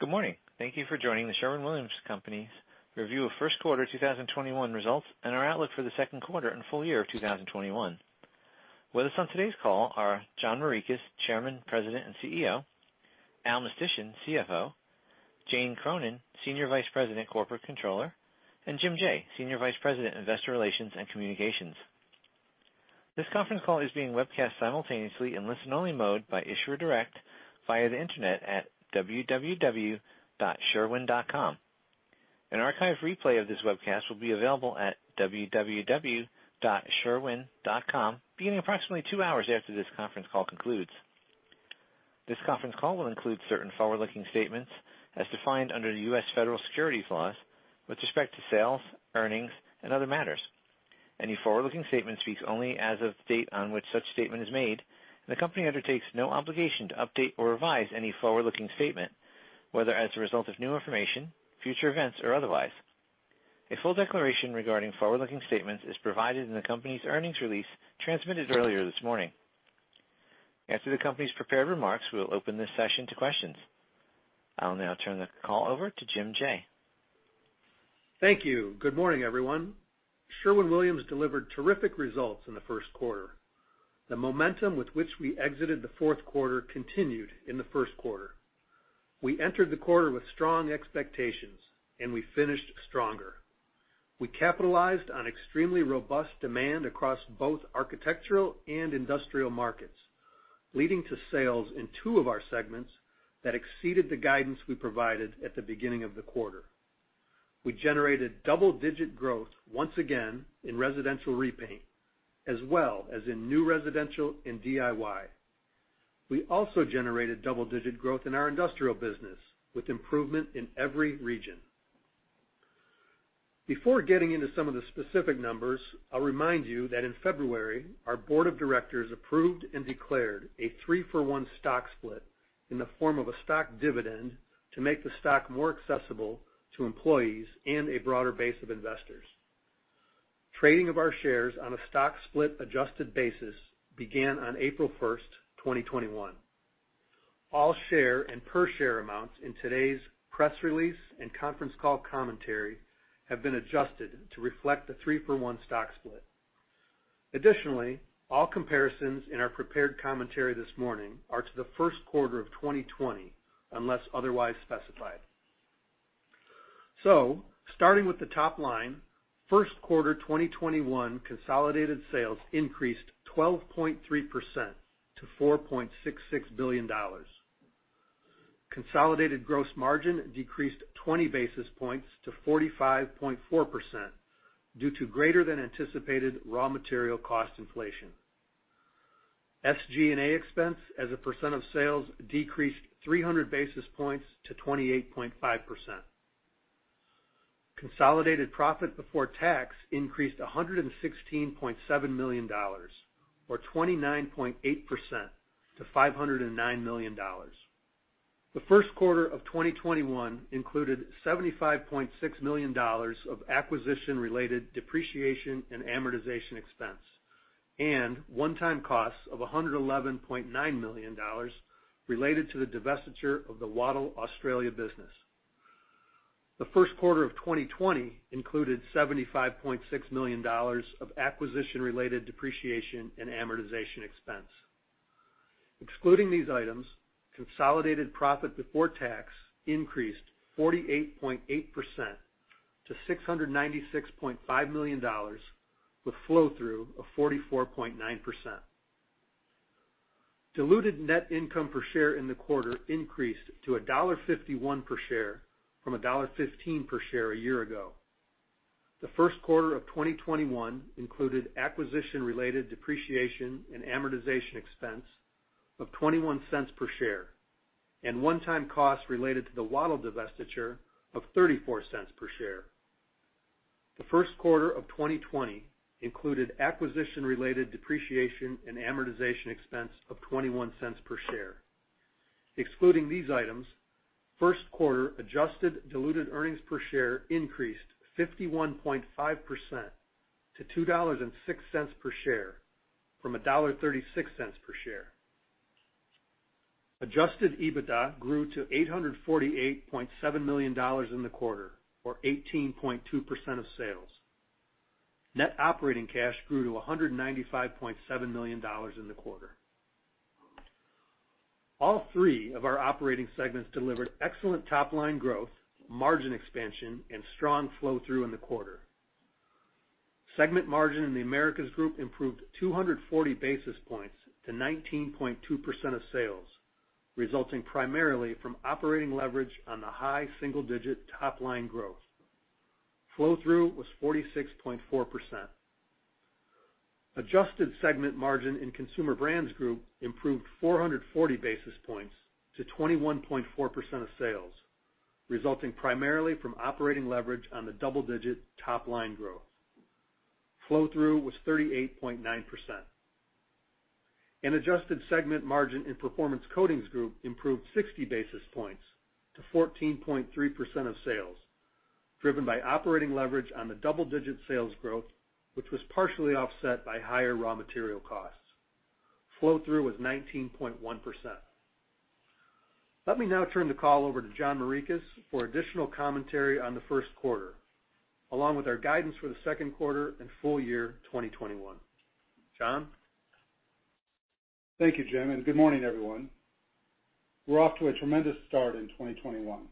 Good morning. Thank you for joining The Sherwin-Williams Company's review of first quarter 2021 results and our outlook for the second quarter and full year of 2021. With us on today's call are John Morikis, Chairman, President, and CEO, Allen Mistysyn, Senior Vice President - Finance and Chief Financial Officer, Jane Cronin, Senior Vice President, Corporate Controller, and Jim Jaye, Senior Vice President, Investor Relations and Communications. This conference call is being webcast simultaneously in listen-only mode by Issuer Direct via the internet at www.sherwin.com. An archived replay of this webcast will be available at www.sherwin.com, beginning approximately two hours after this conference call concludes. This conference call will include certain forward-looking statements as defined under the U.S. Federal securities laws with respect to sales, earnings, and other matters. Any forward-looking statement speaks only as of the date on which such statement is made, and the company undertakes no obligation to update or revise any forward-looking statement, whether as a result of new information, future events, or otherwise. A full declaration regarding forward-looking statements is provided in the company's earnings release transmitted earlier this morning. After the company's prepared remarks, we will open this session to questions. I'll now turn the call over to Jim Jaye. Thank you. Good morning, everyone. Sherwin-Williams delivered terrific results in the first quarter. The momentum with which we exited the fourth quarter continued in the first quarter. We entered the quarter with strong expectations. We finished stronger. We capitalized on extremely robust demand across both architectural and industrial markets, leading to sales in two of our segments that exceeded the guidance we provided at the beginning of the quarter. We generated double-digit growth once again in residential repaint, as well as in new residential and DIY. We also generated double-digit growth in our industrial business, with improvement in every region. Before getting into some of the specific numbers, I'll remind you that in February, our board of directors approved and declared a three-for-one stock split in the form of a stock dividend to make the stock more accessible to employees and a broader base of investors. Trading of our shares on a stock split adjusted basis began on April 1st, 2021. All share and per share amounts in today's press release and conference call commentary have been adjusted to reflect the three-for-one stock split. Additionally, all comparisons in our prepared commentary this morning are to the first quarter of 2020, unless otherwise specified. Starting with the top line, first quarter 2021 consolidated sales increased 12.3% to $4.66 billion. Consolidated gross margin decreased 20 basis points to 45.4% due to greater than anticipated raw material cost inflation. SG&A expense as a percent of sales decreased 300 basis points to 28.5%. Consolidated profit before tax increased $116.7 million, or 29.8%, to $509 million. The first quarter of 2021 included $75.6 million of acquisition-related depreciation and amortization expense and one-time costs of $111.9 million related to the divestiture of the Wattyl Australia business. The first quarter of 2020 included $75.6 million of acquisition-related depreciation and amortization expense. Excluding these items, consolidated profit before tax increased 48.8% to $696.5 million, with flow-through of 44.9%. Diluted net income per share in the quarter increased to $1.51 per share from $1.15 per share a year ago. The first quarter of 2021 included acquisition-related depreciation and amortization expense of $0.21 per share and one-time costs related to the Wattyl divestiture of $0.34 per share. The first quarter of 2020 included acquisition-related depreciation and amortization expense of $0.21 per share. Excluding these items, first quarter adjusted diluted earnings per share increased 51.5% to $2.06 per share from $1.36 per share. Adjusted EBITDA grew to $848.7 million in the quarter, or 18.2% of sales. Net operating cash grew to $195.7 million in the quarter. All three of our operating segments delivered excellent top-line growth, margin expansion, and strong flow-through in the quarter. Segment margin in Americas Group improved 240 basis points to 19.2% of sales, resulting primarily from operating leverage on the high single-digit top-line growth. Flow-through was 46.4%. Adjusted segment margin in Consumer Brands Group improved 440 basis points to 21.4% of sales, resulting primarily from operating leverage on the double-digit top-line growth. Flow-through was 38.9%. Adjusted segment margin in Performance Coatings Group improved 60 basis points to 14.3% of sales. Driven by operating leverage on the double-digit sales growth, which was partially offset by higher raw material costs. Flow-through was 19.1%. Let me now turn the call over to John Morikis for additional commentary on the first quarter, along with our guidance for the second quarter and full year 2021. John? Thank you, Jim. Good morning, everyone. We're off to a tremendous start in 2021.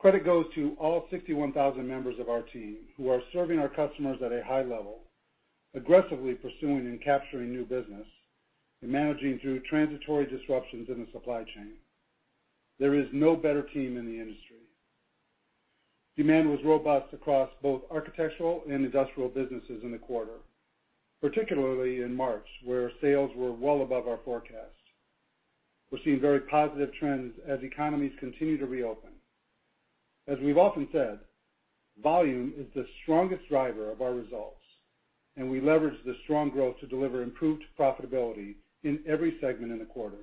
Credit goes to all 61,000 members of our team who are serving our customers at a high level, aggressively pursuing and capturing new business, and managing through transitory disruptions in the supply chain. There is no better team in the industry. Demand was robust across both architectural and industrial businesses in the quarter, particularly in March, where sales were well above our forecast. We're seeing very positive trends as economies continue to reopen. As we've often said, volume is the strongest driver of our results. We leverage this strong growth to deliver improved profitability in every segment in the quarter.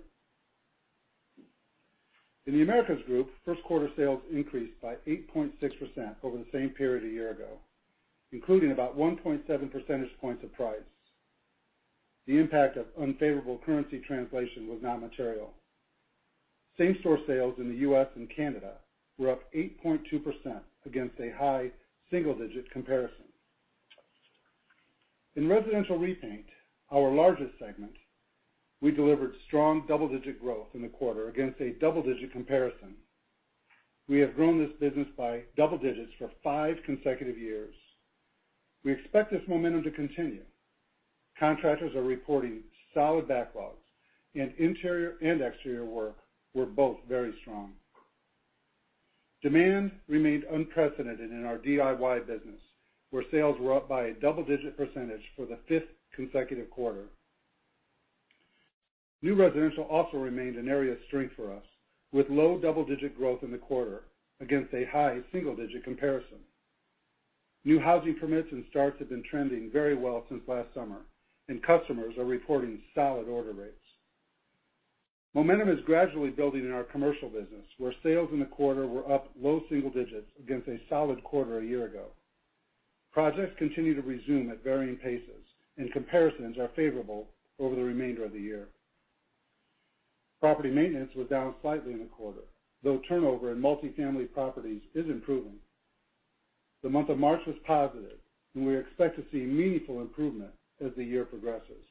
In The Americas Group, first quarter sales increased by 8.6% over the same period a year ago, including about 1.7 percentage points of price. The impact of unfavorable currency translation was not material. Same-store sales in the U.S. and Canada were up 8.2% against a high single-digit comparison. In Residential Repaint, our largest segment, we delivered strong double-digit growth in the quarter against a double-digit comparison. We have grown this business by double digits for five consecutive years. We expect this momentum to continue. Contractors are reporting solid backlogs. Interior and exterior work were both very strong. Demand remained unprecedented in our DIY business, where sales were up by a double-digit percentage for the fifth consecutive quarter. New residential also remained an area of strength for us, with low double-digit growth in the quarter against a high single-digit comparison. New housing permits and starts have been trending very well since last summer. Customers are reporting solid order rates. Momentum is gradually building in our commercial business, where sales in the quarter were up low single digits against a solid quarter a year ago. Projects continue to resume at varying paces, and comparisons are favorable over the remainder of the year. Property maintenance was down slightly in the quarter, though turnover in multi-family properties is improving. The month of March was positive, and we expect to see meaningful improvement as the year progresses.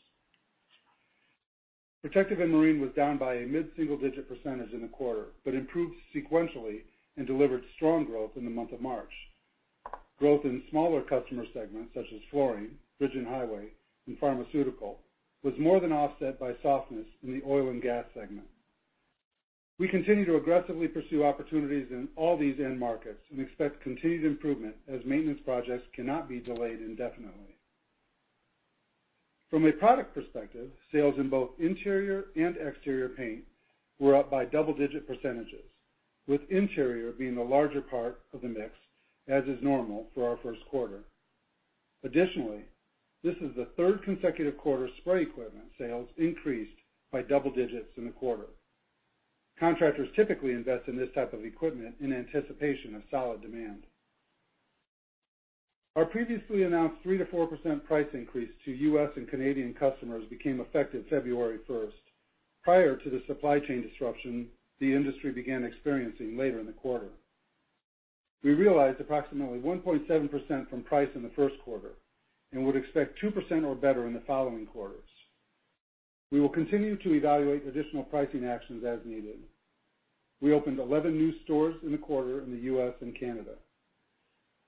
Protective and Marine was down by a mid-single-digit percentage in the quarter but improved sequentially and delivered strong growth in the month of March. Growth in smaller customer segments such as flooring, bridge and highway, and pharmaceutical, was more than offset by softness in the oil and gas segment. We continue to aggressively pursue opportunities in all these end markets and expect continued improvement as maintenance projects cannot be delayed indefinitely. From a product perspective, sales in both interior and exterior paint were up by double-digit percentages, with interior being the larger part of the mix, as is normal for our first quarter. Additionally, this is the third consecutive quarter spray equipment sales increased by double digits in the quarter. Contractors typically invest in this type of equipment in anticipation of solid demand. Our previously announced 3%-4% price increase to U.S. and Canadian customers became effective February 1st, prior to the supply chain disruption the industry began experiencing later in the quarter. We realized approximately 1.7% from price in the first quarter and would expect 2% or better in the following quarters. We will continue to evaluate additional pricing actions as needed. We opened 11 new stores in the quarter in the U.S. and Canada.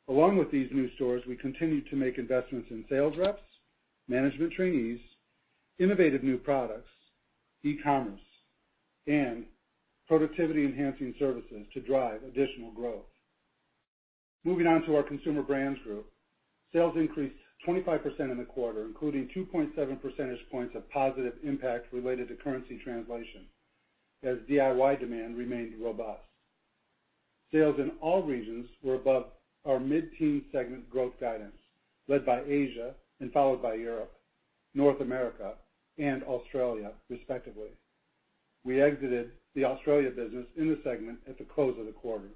Along with these new stores, we continued to make investments in sales reps, management trainees, innovative new products, e-commerce, and productivity-enhancing services to drive additional growth. Moving on to our Consumer Brands Group. Sales increased 25% in the quarter, including 2.7 percentage points of positive impact related to currency translation, as DIY demand remained robust. Sales in all regions were above our mid-teen segment growth guidance, led by Asia and followed by Europe, North America, and Australia, respectively. We exited the Australia business in the segment at the close of the quarter.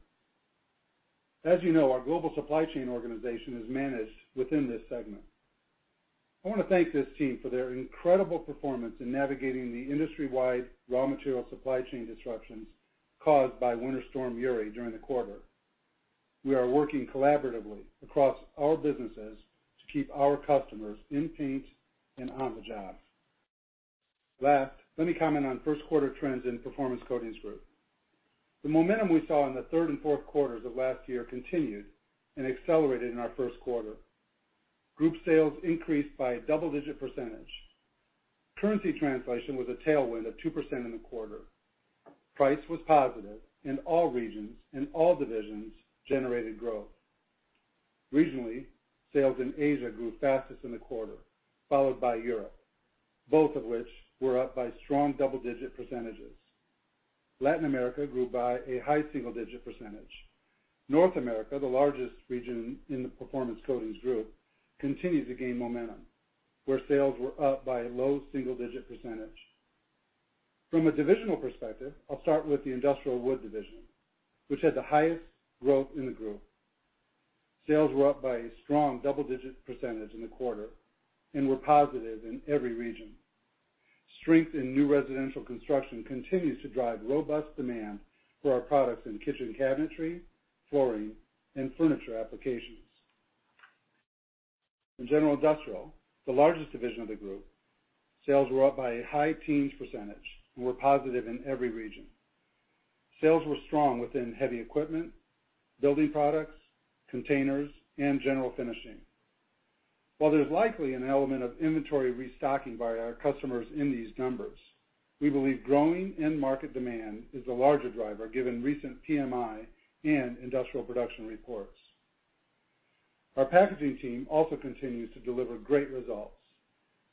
As you know, our global supply chain organization is managed within this segment. I want to thank this team for their incredible performance in navigating the industry-wide raw material supply chain disruptions caused by Winter Storm Uri during the quarter. We are working collaboratively across all businesses to keep our customers in paint and on the job. Last, let me comment on first quarter trends in Performance Coatings Group. The momentum we saw in the third and fourth quarters of last year continued and accelerated in our first quarter. Group sales increased by a double-digit percentage. Currency translation was a tailwind of 2% in the quarter. Price was positive in all regions, and all divisions generated growth. Regionally, sales in Asia grew fastest in the quarter, followed by Europe, both of which were up by strong double-digit percentages. Latin America grew by a high single-digit percentage. North America, the largest region in the Performance Coatings Group, continued to gain momentum, where sales were up by a low single-digit percentage. From a divisional perspective, I'll start with the Industrial Wood division, which had the highest growth in the group. Sales were up by a strong double-digit percentage in the quarter and were positive in every region. Strength in new residential construction continues to drive robust demand for our products in kitchen cabinetry, flooring, and furniture applications. In General Industrial, the largest division of the group, sales were up by a high teens% and were positive in every region. Sales were strong within heavy equipment, building products, containers, and general finishing. While there's likely an element of inventory restocking by our customers in these numbers, we believe growing end market demand is the larger driver, given recent PMI and industrial production reports. Our packaging team also continues to deliver great results.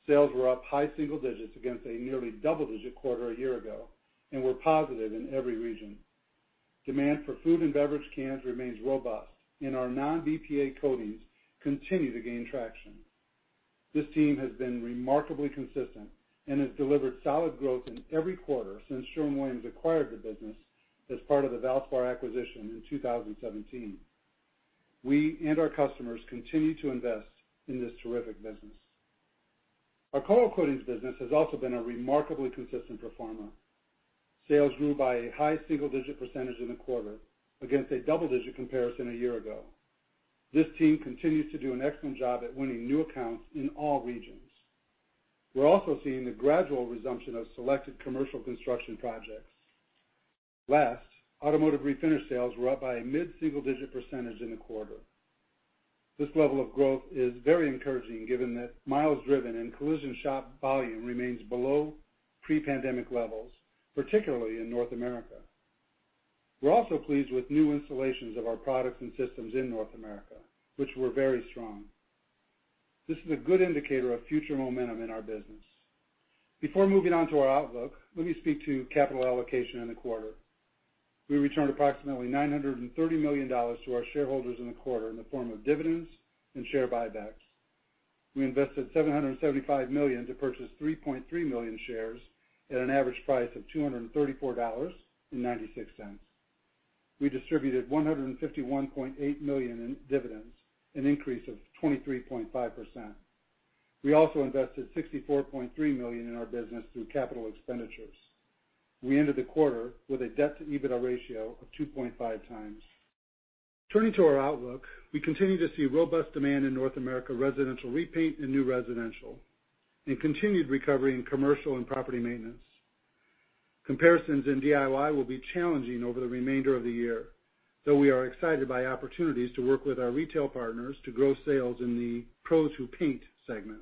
Sales were up high single digits against a nearly double-digit quarter a year ago and were positive in every region. Demand for food and beverage cans remains robust, our non-BPA coatings continue to gain traction. This team has been remarkably consistent and has delivered solid growth in every quarter since Sherwin-Williams acquired the business as part of the Valspar acquisition in 2017. We and our customers continue to invest in this terrific business. Our coil coatings business has also been a remarkably consistent performer. Sales grew by a high single-digit percentage in the quarter against a double-digit comparison a year ago. This team continues to do an excellent job at winning new accounts in all regions. Last, automotive refinish sales were up by a mid-single-digit percentage in the quarter. This level of growth is very encouraging given that miles driven and collision shop volume remains below pre-pandemic levels, particularly in North America. We're also pleased with new installations of our products and systems in North America, which were very strong. This is a good indicator of future momentum in our business. Before moving on to our outlook, let me speak to capital allocation in the quarter. We returned approximately $930 million to our shareholders in the quarter in the form of dividends and share buybacks. We invested $775 million to purchase 3.3 million shares at an average price of $234.96. We distributed $151.8 million in dividends, an increase of 23.5%. We also invested $64.3 million in our business through capital expenditures. We ended the quarter with a debt-to-EBITDA ratio of 2.5 times. Turning to our outlook, we continue to see robust demand in North America residential repaint and new residential, and continued recovery in commercial and property maintenance. Comparisons in DIY will be challenging over the remainder of the year, though we are excited by opportunities to work with our retail partners to grow sales in the Pros Who Paint segment.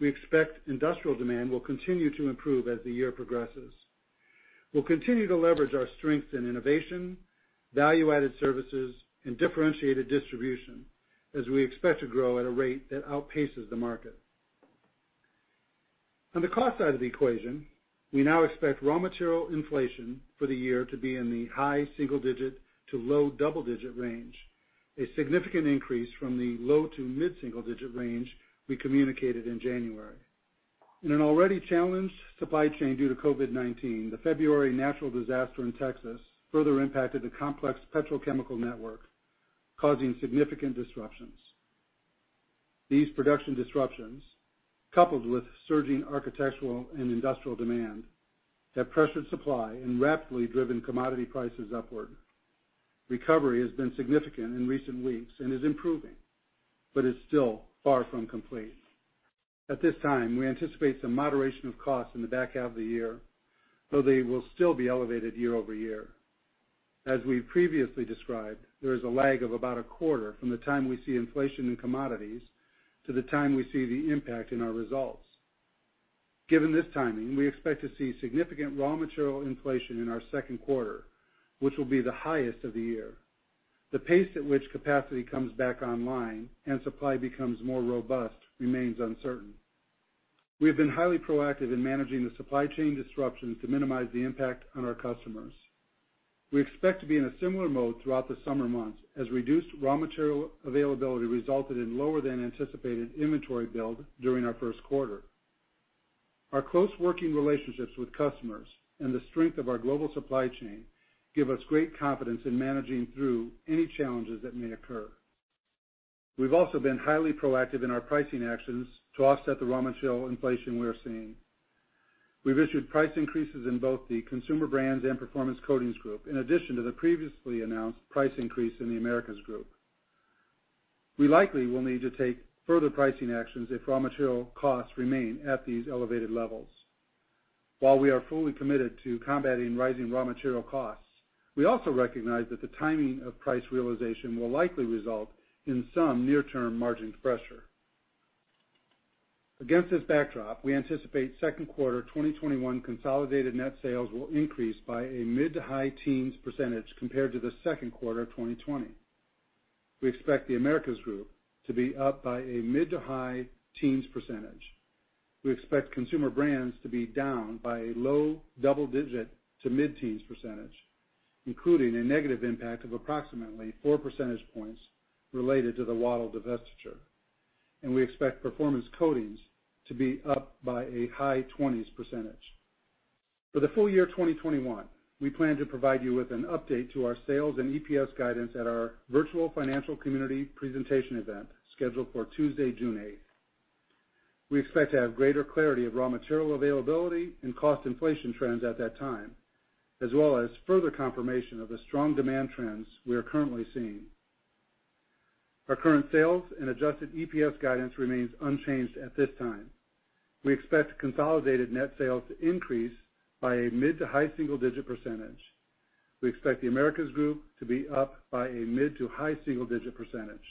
We expect industrial demand will continue to improve as the year progresses. We'll continue to leverage our strength in innovation, value-added services, and differentiated distribution as we expect to grow at a rate that outpaces the market. On the cost side of the equation, we now expect raw material inflation for the year to be in the high single-digit to low double-digit range, a significant increase from the low to mid-single-digit range we communicated in January. In an already challenged supply chain due to COVID-19, the February natural disaster in Texas further impacted the complex petrochemical network, causing significant disruptions. These production disruptions, coupled with surging architectural and industrial demand, have pressured supply and rapidly driven commodity prices upward. Recovery has been significant in recent weeks and is improving, but is still far from complete. At this time, we anticipate some moderation of costs in the back half of the year, though they will still be elevated year-over-year. As we've previously described, there is a lag of about a quarter from the time we see inflation in commodities to the time we see the impact in our results. Given this timing, we expect to see significant raw material inflation in our second quarter, which will be the highest of the year. The pace at which capacity comes back online and supply becomes more robust remains uncertain. We have been highly proactive in managing the supply chain disruptions to minimize the impact on our customers. We expect to be in a similar mode throughout the summer months as reduced raw material availability resulted in lower than anticipated inventory build during our first quarter. Our close working relationships with customers and the strength of our global supply chain give us great confidence in managing through any challenges that may occur. We've also been highly proactive in our pricing actions to offset the raw material inflation we're seeing. We've issued price increases in both the Consumer Brands Group and Performance Coatings Group, in addition to the previously announced price increase in The Americas Group. We likely will need to take further pricing actions if raw material costs remain at these elevated levels. While we are fully committed to combating rising raw material costs, we also recognize that the timing of price realization will likely result in some near-term margin pressure. Against this backdrop, we anticipate second quarter 2021 consolidated net sales will increase by a mid to high teens percentage compared to the second quarter of 2020. We expect The Americas Group to be up by a mid-to-high teens percentage. We expect Consumer Brands Group to be down by a low double-digit to mid-teens percentage, including a negative impact of approximately four percentage points related to the Wattyl divestiture. We expect Performance Coatings Group to be up by a high 20s percentage. For the full year 2021, we plan to provide you with an update to our sales and EPS guidance at our virtual financial community presentation event, scheduled for Tuesday, June 8th. We expect to have greater clarity of raw material availability and cost inflation trends at that time, as well as further confirmation of the strong demand trends we are currently seeing. Our current sales and adjusted EPS guidance remains unchanged at this time. We expect consolidated net sales to increase by a mid-to-high single-digit percentage. We expect The Americas Group to be up by a mid to high single-digit percentage.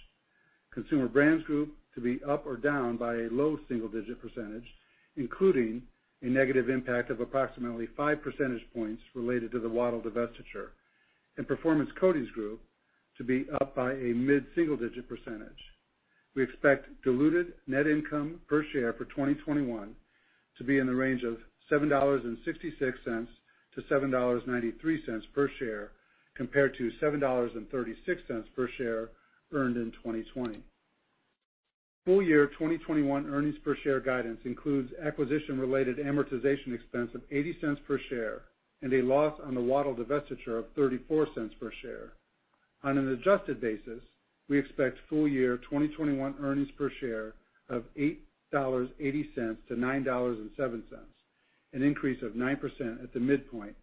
Consumer Brands Group to be up or down by a low single-digit percentage, including a negative impact of approximately five percentage points related to the Wattyl divestiture, and Performance Coatings Group to be up by a mid single-digit percentage. We expect diluted net income per share for 2021 to be in the range of $7.66-$7.93 per share, compared to $7.36 per share earned in 2020. Full year 2021 earnings per share guidance includes acquisition-related amortization expense of $0.80 per share and a loss on the Wattyl divestiture of $0.34 per share. On an adjusted basis, we expect full year 2021 earnings per share of $8.80-$9.07, an increase of 9% at the midpoint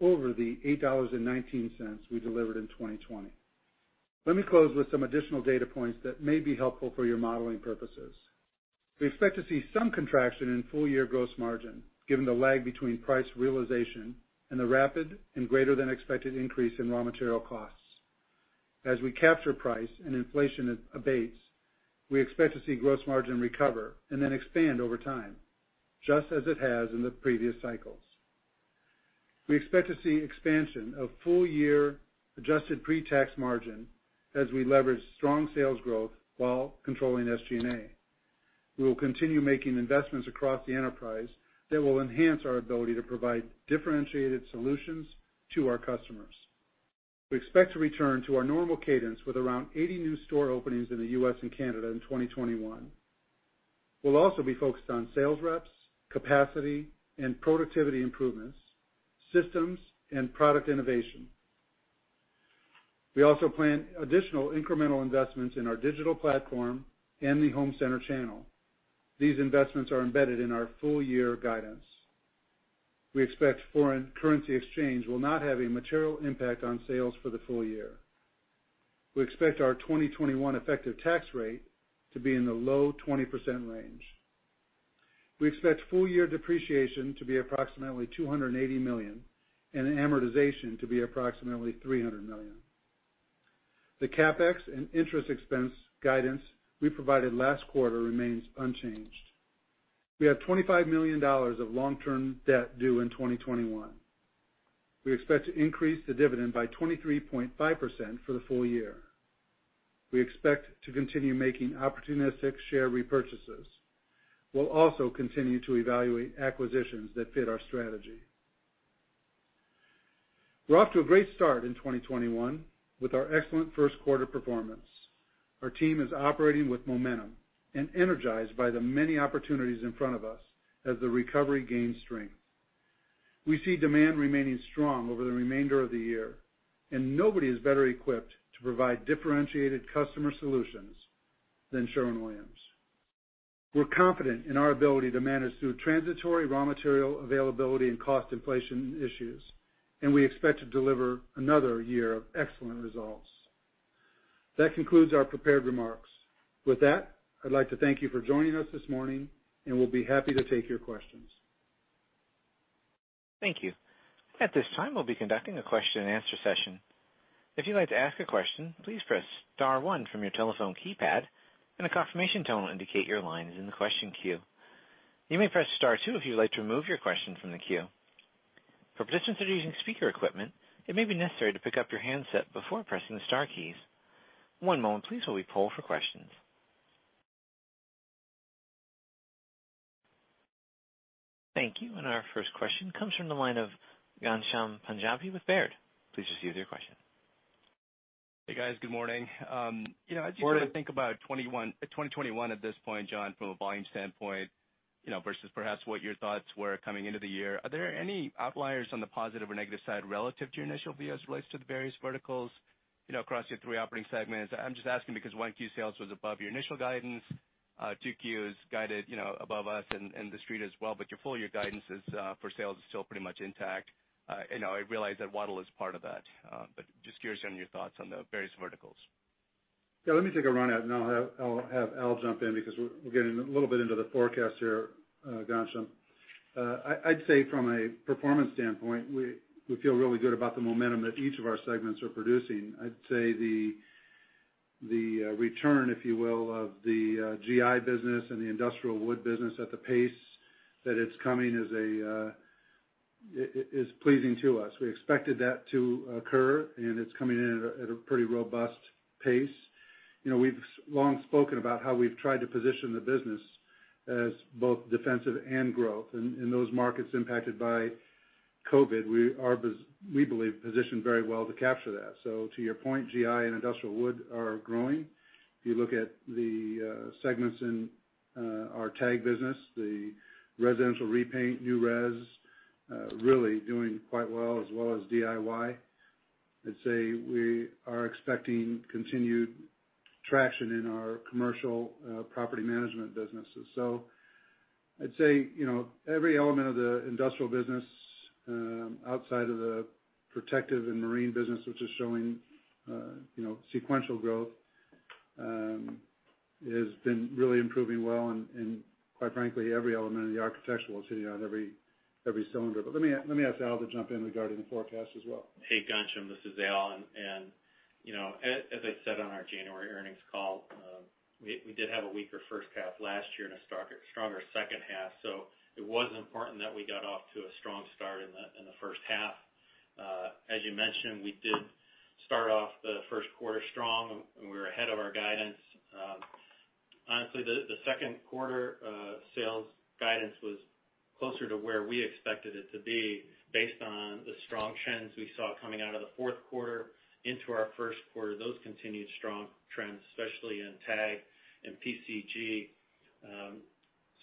over the $8.19 we delivered in 2020. Let me close with some additional data points that may be helpful for your modeling purposes. We expect to see some contraction in full-year gross margin, given the lag between price realization and the rapid and greater-than-expected increase in raw material costs. As we capture price and inflation abates, we expect to see gross margin recover and then expand over time, just as it has in the previous cycles. We expect to see expansion of full-year adjusted pre-tax margin as we leverage strong sales growth while controlling SG&A. We will continue making investments across the enterprise that will enhance our ability to provide differentiated solutions to our customers. We expect to return to our normal cadence with around 80 new store openings in the U.S. and Canada in 2021. We'll also be focused on sales reps, capacity and productivity improvements, systems, and product innovation. We also plan additional incremental investments in our digital platform and the home center channel. These investments are embedded in our full-year guidance. We expect foreign currency exchange will not have a material impact on sales for the full year. We expect our 2021 effective tax rate to be in the low 20% range. We expect full-year depreciation to be approximately $280 million and amortization to be approximately $300 million. The CapEx and interest expense guidance we provided last quarter remains unchanged. We have $25 million of long-term debt due in 2021. We expect to increase the dividend by 23.5% for the full year. We expect to continue making opportunistic share repurchases. We'll also continue to evaluate acquisitions that fit our strategy. We're off to a great start in 2021 with our excellent first quarter performance. Our team is operating with momentum and energized by the many opportunities in front of us as the recovery gains strength. We see demand remaining strong over the remainder of the year, and nobody is better equipped to provide differentiated customer solutions than Sherwin-Williams. We're confident in our ability to manage through transitory raw material availability and cost inflation issues, and we expect to deliver another year of excellent results. That concludes our prepared remarks. With that, I'd like to thank you for joining us this morning, and we'll be happy to take your questions. Thank you. At this time, we'll be conducting a question-and-answer session. If you'd like to ask a question, please press star one from your telephone keypad and a confirmation tone will indicate your line is in the question queue. You may press star two if you'd like to remove your question from the queue. For participants that are using speaker equipment, it may be necessary to pick up your handset before pressing the star keys. One moment please while we poll for questions. Thank you. Our first question comes from the line of Ghansham Panjabi with Baird. Please proceed with your question. Hey, guys. Good morning. Morning. As you sort of think about 2021 at this point, John, from a volume standpoint, versus perhaps what your thoughts were coming into the year, are there any outliers on the positive or negative side relative to your initial view as it relates to the various verticals across your three operating segments? I'm just asking because 1Q sales was above your initial guidance. 2Q is guided above us and the street as well. Your full-year guidance for sales is still pretty much intact. I realize that Wattyl is part of that. Just curious on your thoughts on the various verticals. Yeah, let me take a run at it and then I'll have Al jump in because we're getting a little bit into the forecast here, Ghansham. I'd say from a performance standpoint, we feel really good about the momentum that each of our segments are producing. I'd say the return, if you will, of the GI business and the industrial wood business at the pace that it's coming is pleasing to us. We expected that to occur. It's coming in at a pretty robust pace. We've long spoken about how we've tried to position the business as both defensive and growth in those markets impacted by COVID, we believe, positioned very well to capture that. To your point, GI and industrial wood are growing. If you look at the segments in our TAG business, the residential repaint, new res, really doing quite well, as well as DIY. I'd say we are expecting continued traction in our commercial property management businesses. I'd say, every element of the industrial business, outside of the protective and marine business, which is showing sequential growth, has been really improving well and, quite frankly, every element of the architectural is hitting on every cylinder. Let me ask Al to jump in regarding the forecast as well. Hey, Ghansham, this is Al. As I said on our January earnings call, we did have a weaker first half last year and a stronger second half. It was important that we got off to a strong start in the first half. As you mentioned, we did start off the first quarter strong. We were ahead of our guidance. Honestly, the second quarter sales guidance was closer to where we expected it to be based on the strong trends we saw coming out of the fourth quarter into our first quarter. Those continued strong trends, especially in TAG and PCG.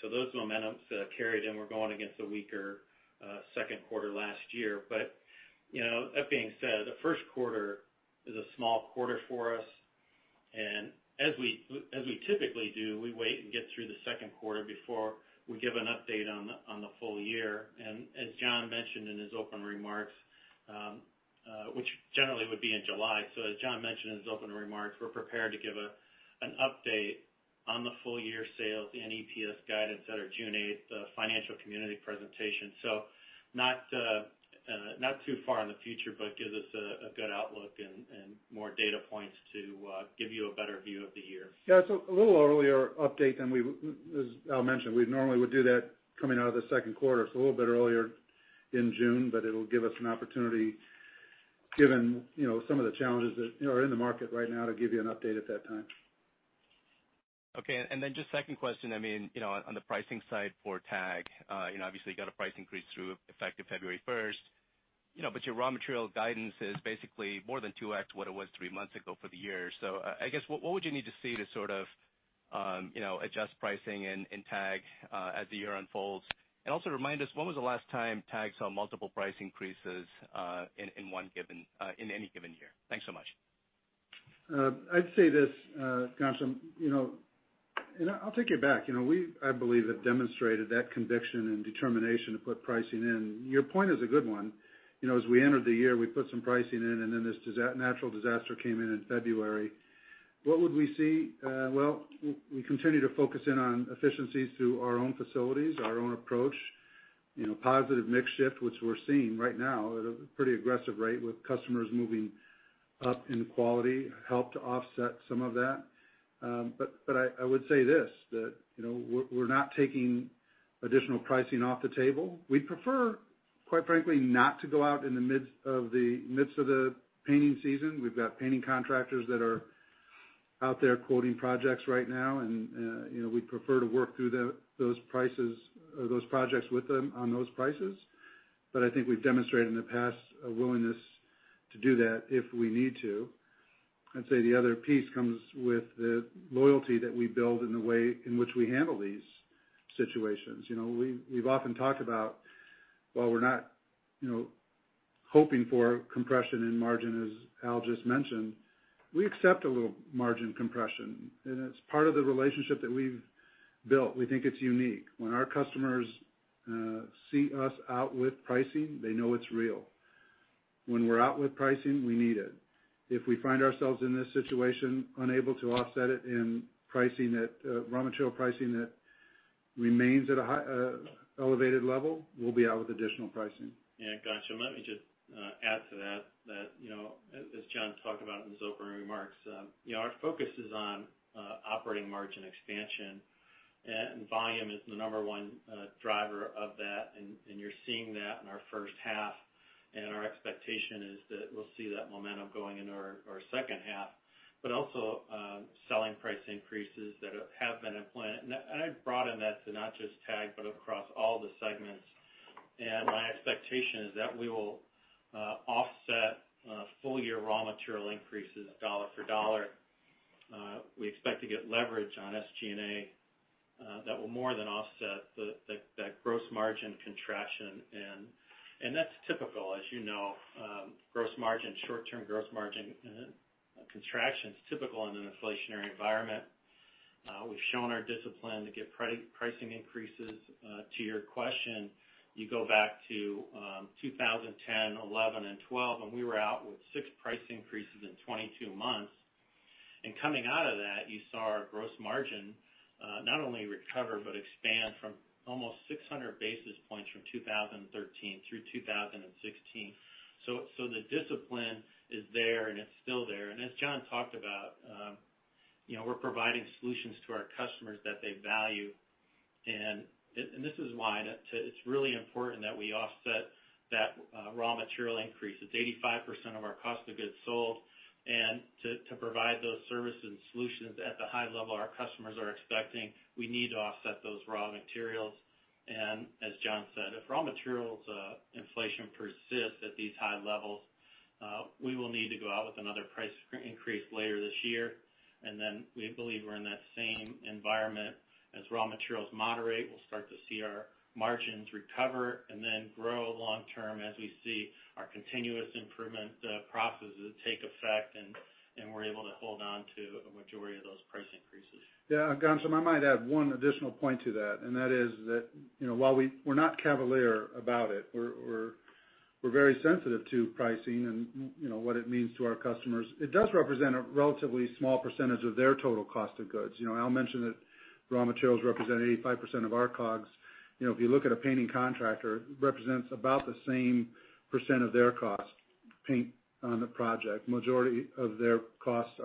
Those momentums carried. We're going against a weaker second quarter last year. That being said, the first quarter is a small quarter for us, and as we typically do, we wait and get through the second quarter before we give an update on the full year. As John mentioned in his opening remarks, which generally would be in July, we're prepared to give an update on the full-year sales and EPS guidance at our June 8th financial community presentation. Not too far in the future, but gives us a good outlook and more data points to give you a better view of the year. It's a little earlier update than, as Al mentioned, we normally would do that coming out of the second quarter. It's a little bit earlier in June, but it'll give us an opportunity, given some of the challenges that are in the market right now, to give you an update at that time. Okay. Then just second question, on the pricing side for TAG, obviously you got a price increase through effective February 1st, but your raw material guidance is basically more than 2x what it was three months ago for the year. I guess, what would you need to see to sort of adjust pricing in TAG as the year unfolds? Also remind us, when was the last time TAG saw multiple price increases in any given year? Thanks so much. I'd say this, Ghansham. I'll take it back. We, I believe, have demonstrated that conviction and determination to put pricing in. Your point is a good one. As we entered the year, we put some pricing in, and then this natural disaster came in in February. What would we see? Well, we continue to focus in on efficiencies through our own facilities, our own approach. Positive mix shift, which we're seeing right now at a pretty aggressive rate with customers moving up in quality, help to offset some of that. I would say this, that we're not taking additional pricing off the table. We'd prefer, quite frankly, not to go out in the midst of the painting season. We've got painting contractors that are out there quoting projects right now, and we'd prefer to work through those projects with them on those prices. I think we've demonstrated in the past a willingness to do that if we need to. I'd say the other piece comes with the loyalty that we build in the way in which we handle these situations. We've often talked about while we're not hoping for compression in margin, as Al just mentioned, we accept a little margin compression, and it's part of the relationship that we've built. We think it's unique. When our customers see us out with pricing, they know it's real. When we're out with pricing, we need it. If we find ourselves in this situation unable to offset it in raw material pricing that remains at an elevated level, we'll be out with additional pricing. Yeah, got you. Let me just add to that, as John talked about in his opening remarks, our focus is on operating margin expansion, and volume is the number one driver of that, and you're seeing that in our first half, and our expectation is that we'll see that momentum going into our second half. Also, selling price increases that have been in plan. I'd broaden that to not just TAG, but across all the segments. My expectation is that we will offset full-year raw material increases dollar for dollar. We expect to get leverage on SG&A that will more than offset that gross margin contraction, and that's typical. As you know, short-term gross margin contraction is typical in an inflationary environment. We've shown our discipline to give pricing increases. To your question, you go back to 2010, 2011, and 2012, we were out with six price increases in 22 months. Coming out of that, you saw our gross margin not only recover, but expand from almost 600 basis points from 2013 through 2016. The discipline is there. It's still there. As John talked about, we're providing solutions to our customers that they value. This is why it's really important that we offset that raw material increase. It's 85% of our cost of goods sold. To provide those services and solutions at the high level our customers are expecting, we need to offset those raw materials. As John said, if raw materials inflation persists at these high levels, we will need to go out with another price increase later this year. We believe we're in that same environment as raw materials moderate, we'll start to see our margins recover and then grow long term as we see our continuous improvement processes take effect, and we're able to hold on to a majority of those price increases. Yeah, Ghansham, I might add one additional point to that is that while we're not cavalier about it, we're very sensitive to pricing and what it means to our customers. It does represent a relatively small percentage of their total cost of goods. Al mentioned that raw materials represent 85% of our COGS. If you look at a painting contractor, represents about the same percent of their cost, paint on the project. Majority of their costs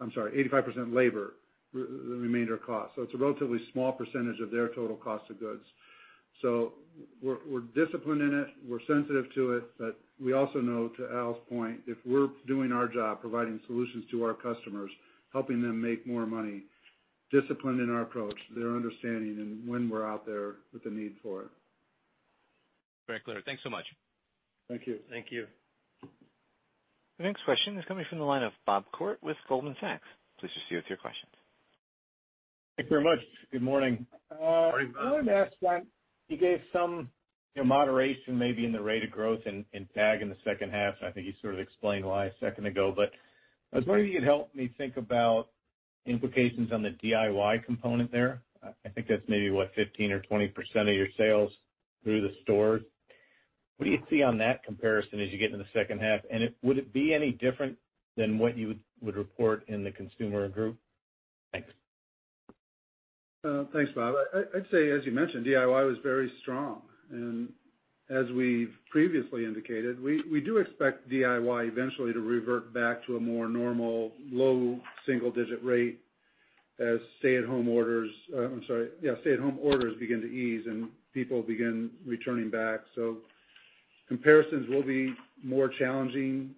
I'm sorry, 85% labor, the remainder cost. It's relatively a small percentage of their total cost of goods. We're disciplined in it, we're sensitive to it, we also know, to Al's point, if we're doing our job, providing solutions to our customers, helping them make more money, disciplined in our approach, they're understanding in when we're out there with the need for it. Very clear. Thanks so much. Thank you. Thank you. The next question is coming from the line of Bob Koort with Goldman Sachs. Please proceed with your questions. Thank you very much. Good morning. Morning, Bob. I wanted to ask, you gave some moderation maybe in the rate of growth in TAG in the second half, and I think you sort of explained why a second ago, but I was wondering if you'd help me think about implications on the DIY component there. I think that's maybe, what, 15% or 20% of your sales through the stores. What do you see on that comparison as you get into the second half? Would it be any different than what you would report in the Consumer group? Thanks. Thanks, Bob. I'd say, as you mentioned, DIY was very strong. As we've previously indicated, we do expect DIY eventually to revert back to a more normal low single digit rate as stay-at-home orders begin to ease and people begin returning back. Comparisons will be more challenging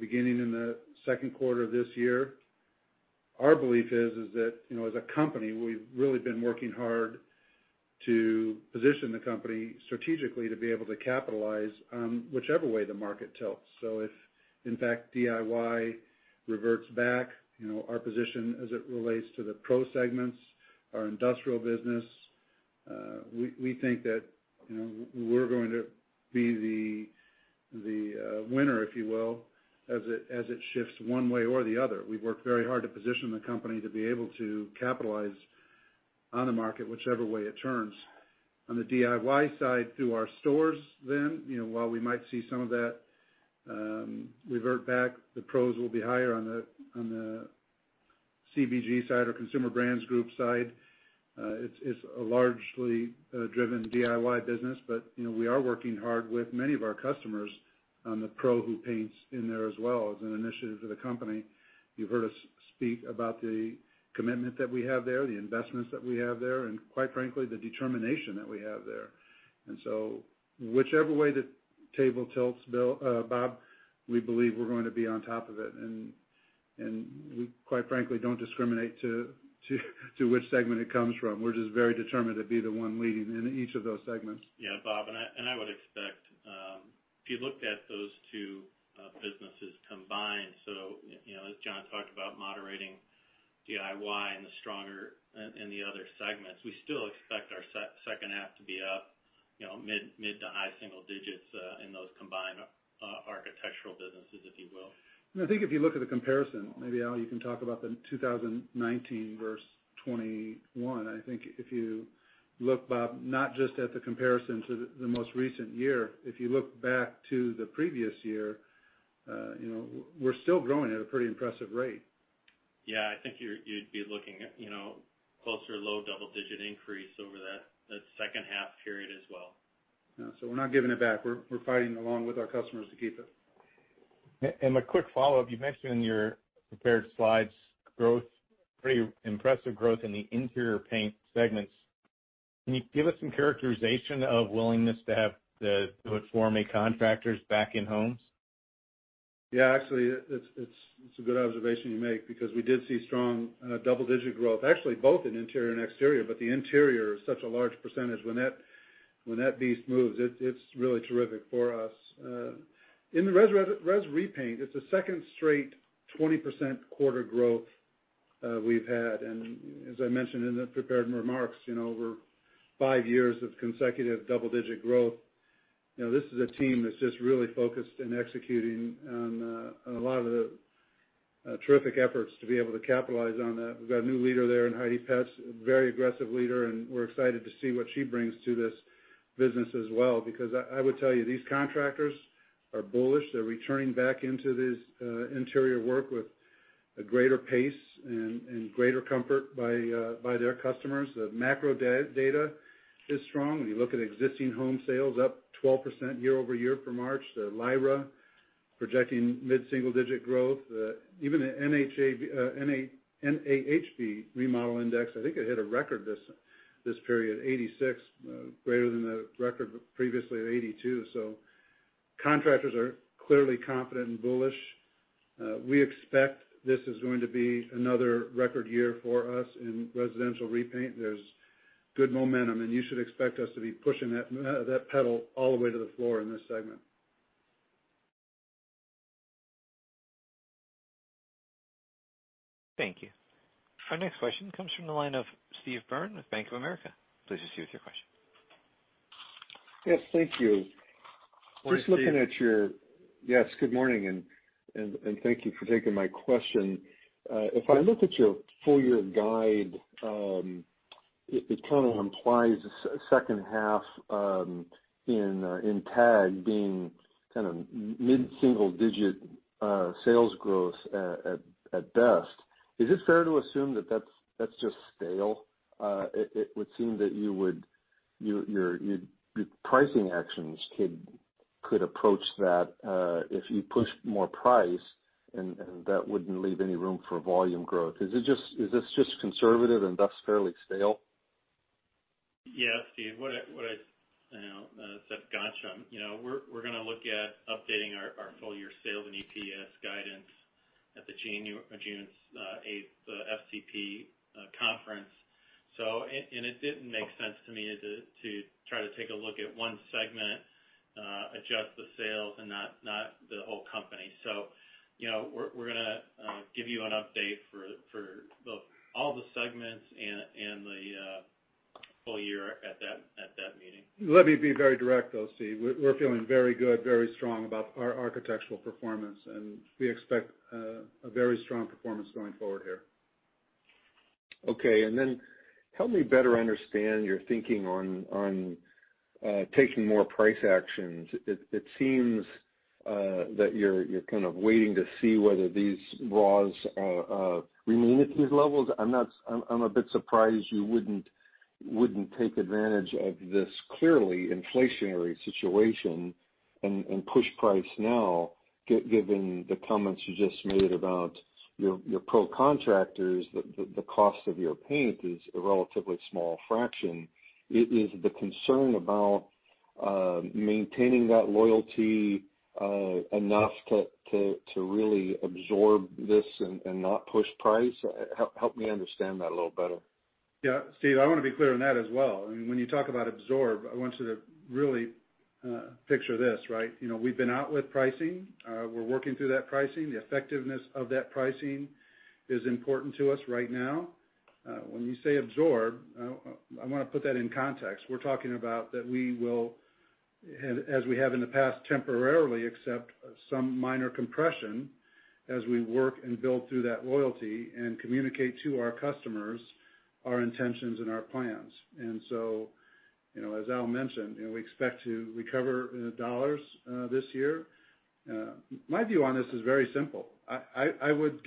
beginning in the second quarter of this year. Our belief is that as a company, we've really been working hard to position the company strategically to be able to capitalize on whichever way the market tilts. If, in fact, DIY reverts back, our position as it relates to the pro segments, our industrial business, we think that we're going to be the winner, if you will, as it shifts one way or the other. We've worked very hard to position the company to be able to capitalize on the market whichever way it turns. On the DIY side through our stores, while we might see some of that revert back, the pros will be higher on the CBG side or Consumer Brands Group side. It's a largely driven DIY business, but we are working hard with many of our customers on the Pros Who Paint in there as well as an initiative to the company. You've heard us speak about the commitment that we have there, the investments that we have there, and quite frankly, the determination that we have there. Whichever way the table tilts, Bob, we believe we're going to be on top of it, and we quite frankly, don't discriminate to which segment it comes from. We're just very determined to be the one leading in each of those segments. Yeah, Bob, I would expect, if you looked at those two businesses combined, so as John talked about moderating DIY and the other segments, we still expect our second half to be up mid to high single digits in those combined architectural businesses, if you will. I think if you look at the comparison, maybe Al, you can talk about the 2019 versus 2021. I think if you look, Bob, not just at the comparison to the most recent year, if you look back to the previous year, we're still growing at a pretty impressive rate. Yeah, I think you'd be looking at closer to low double digit increase over that second half period as well. Yeah. We're not giving it back. We're fighting along with our customers to keep it. A quick follow-up. You mentioned in your prepared slides growth, pretty impressive growth in the interior paint segments. Can you give us some characterization of willingness to have the Pros That Paint contractors back in homes? Yeah, actually, it's a good observation you make because we did see strong double-digit growth, actually both in interior and exterior, but the interior is such a large percentage. When that beast moves, it's really terrific for us. In the res repaint, it's the second straight 20% quarter growth we've had. As I mentioned in the prepared remarks, over five years of consecutive double-digit growth. This is a team that's just really focused and executing on a lot of the terrific efforts to be able to capitalize on that. We've got a new leader there in Heidi Petz, a very aggressive leader, and we're excited to see what she brings to this business as well. I would tell you, these contractors are bullish. They're returning back into this interior work with a greater pace and greater comfort by their customers. The macro data is strong. When you look at existing home sales up 12% year-over-year for March. The LIRA projecting mid-single digit growth. Even the NAHB Remodel Index, I think it hit a record this period, 86, greater than the record previously at 82. Contractors are clearly confident and bullish. We expect this is going to be another record year for us in residential repaint. There's good momentum, and you should expect us to be pushing that pedal all the way to the floor in this segment. Thank you. Our next question comes from the line of Steve Byrne with Bank of America. Please proceed with your question. Yes, thank you. Morning, Steve. Yes, good morning, and thank you for taking my question. If I look at your full year guide, it kind of implies a second half in TAG being kind of mid-single digit sales growth at best. Is it fair to assume that that's just stale? It would seem that your pricing actions could approach that if you pushed more price, and that wouldn't leave any room for volume growth. Is this just conservative and thus fairly stale? Yes, Steve. What I, said to Ghansham. We're going to look at updating our full year sales and EPS guidance at the June 8th FCP conference. It didn't make sense to me to try to take a look at one segment, adjust the sales, and not the whole company. We're going to give you an update for all the segments and the full year at that meeting. Let me be very direct, though, Steve. We're feeling very good, very strong about our architectural performance. We expect a very strong performance going forward here. Okay, help me better understand your thinking on taking more price actions. It seems that you're kind of waiting to see whether these raws remain at these levels. I'm a bit surprised you wouldn't take advantage of this clearly inflationary situation and push price now, given the comments you just made about your pro contractors, the cost of your paint is a relatively small fraction. Is the concern about maintaining that loyalty enough to really absorb this and not push price? Help me understand that a little better. Steve, I want to be clear on that as well. When you talk about absorb, I want you to really picture this. We've been out with pricing. We're working through that pricing. The effectiveness of that pricing is important to us right now. When you say absorb, I want to put that in context. We're talking about that we will, as we have in the past, temporarily accept some minor compression as we work and build through that loyalty and communicate to our customers our intentions and our plans. As Al mentioned, we expect to recover in dollars this year. My view on this is very simple. I would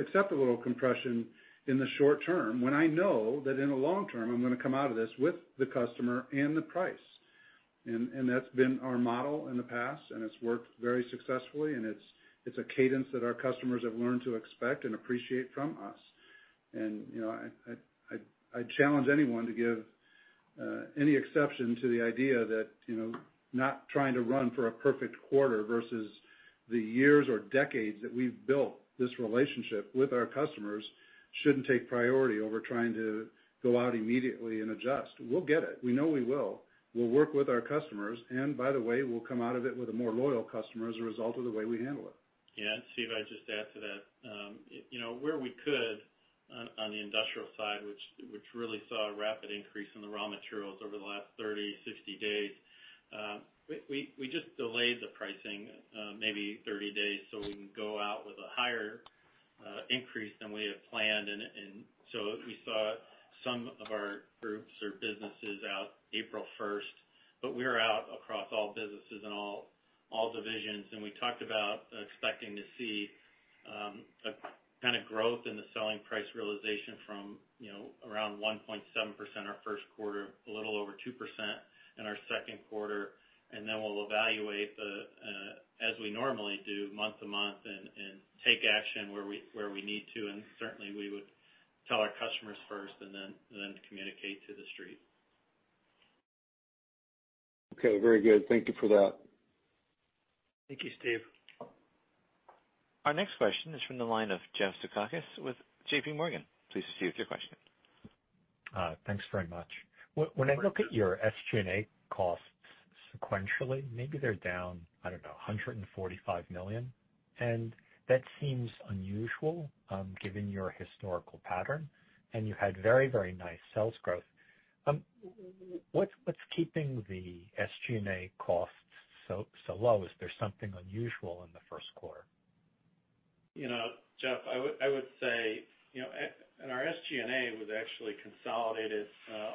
accept a little compression in the short term when I know that in the long term, I'm going to come out of this with the customer and the price. That's been our model in the past, and it's worked very successfully, and it's a cadence that our customers have learned to expect and appreciate from us. I challenge anyone to give any exception to the idea that not trying to run for a perfect quarter versus the years or decades that we've built this relationship with our customers shouldn't take priority over trying to go out immediately and adjust. We'll get it. We know we will. We'll work with our customers, and by the way, we'll come out of it with a more loyal customer as a result of the way we handle it. Yeah. Steve, I'd just add to that. Where we could on the industrial side, which really saw a rapid increase in the raw materials over the last 30, 60 days, we just delayed the pricing maybe 30 days so we can go out with a higher increase than we had planned. We saw some of our groups or businesses out April 1st, but we are out across all businesses and all divisions, and we talked about expecting to see a kind of growth in the selling price realization from around 1.7% our first quarter, a little over 2% in our second quarter. We'll evaluate, as we normally do month-to-month, and take action where we need to, and certainly, we would tell our customers first and then communicate to the street. Okay, very good. Thank you for that. Thank you, Steve. Our next question is from the line of Jeffrey Zekauskas with JPMorgan. Please proceed with your question. Thanks very much. When I look at your SG&A costs sequentially, maybe they're down, I don't know, $145 million, and that seems unusual given your historical pattern, and you had very, very nice sales growth. What's keeping the SG&A costs so low? Is there something unusual in the first quarter? Jeff, I would say, our SG&A was actually consolidated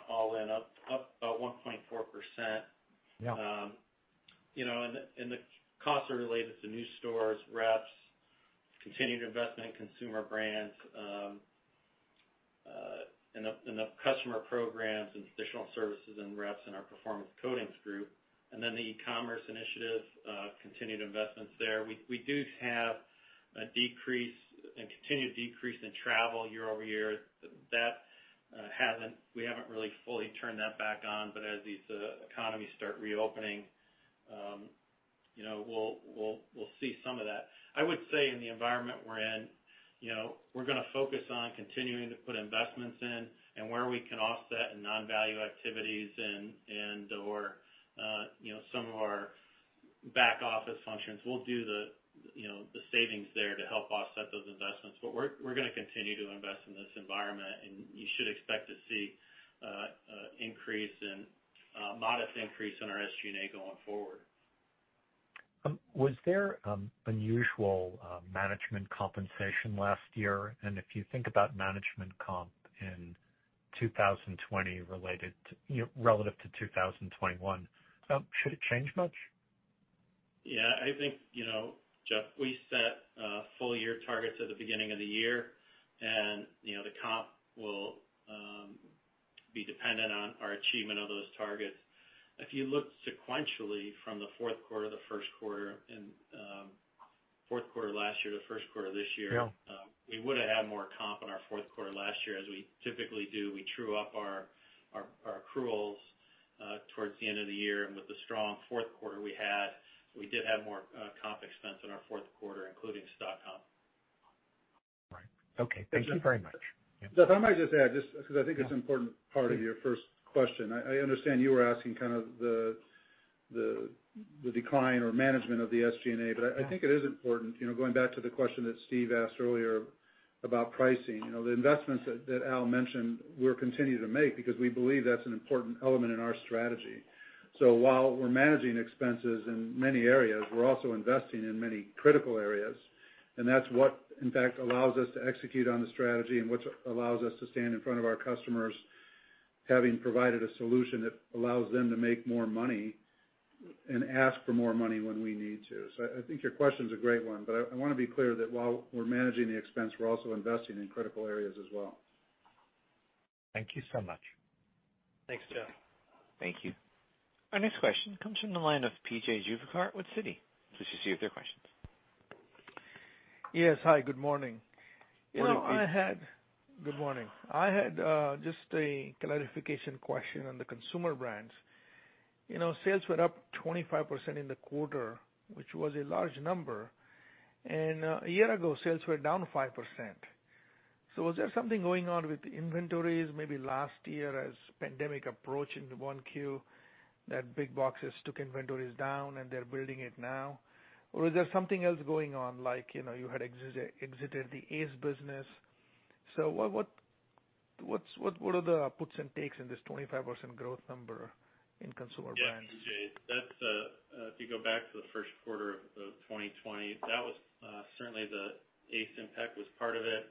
all in up about 1.4%. Yeah. The costs are related to new stores, reps, continued investment in consumer brands, the customer programs and traditional services and reps in our Performance Coatings Group, and then the e-commerce initiative, continued investments there. We do have a continued decrease in travel year-over-year. We haven't really fully turned that back on, but as these economies start reopening, we'll see some of that. I would say in the environment we're in, we're going to focus on continuing to put investments in and where we can offset in non-value activities and/or some of our back office functions. We'll do the savings there to help offset those investments. We're going to continue to invest in this environment, and you should expect to see a modest increase in our SG&A going forward. Was there unusual management compensation last year? If you think about management comp in 2020 relative to 2021, should it change much? Yeah, I think, Jeff, we set full year targets at the beginning of the year, and the comp will be dependent on our achievement of those targets. If you look sequentially from the fourth quarter last year to first quarter this year. Yeah we would've had more comp in our fourth quarter last year, as we typically do. We true up our accruals towards the end of the year. With the strong fourth quarter we had, we did have more comp expense in our fourth quarter, including stock comp. Right. Okay. Thank you very much. Jeff, I might just add, just because I think it's an important part of your first question. I understand you were asking kind of the decline or management of the SG&A. I think it is important, going back to the question that Steve asked earlier about pricing. The investments that Al mentioned, we'll continue to make, because we believe that's an important element in our strategy. While we're managing expenses in many areas, we're also investing in many critical areas, and that's what in fact allows us to execute on the strategy and which allows us to stand in front of our customers, having provided a solution that allows them to make more money and ask for more money when we need to. I think your question's a great one, but I want to be clear that while we're managing the expense, we're also investing in critical areas as well. Thank you so much. Thanks, Jeff. Thank you. Our next question comes from the line of P.J. Juvekar with Citi. Please proceed with your questions. Yes. Hi, good morning. Good morning, P.J. Good morning. I had just a clarification question on the consumer brands. Sales were up 25% in the quarter, which was a large number. A year ago, sales were down 5%. Was there something going on with inventories maybe last year as pandemic approached into 1Q, that big boxes took inventories down, and they're building it now? Is there something else going on, like, you had exited the Ace business. What are the puts and takes in this 25% growth number in consumer brands? Yeah, P.J., if you go back to the first quarter of 2020, certainly the Ace impact was part of it.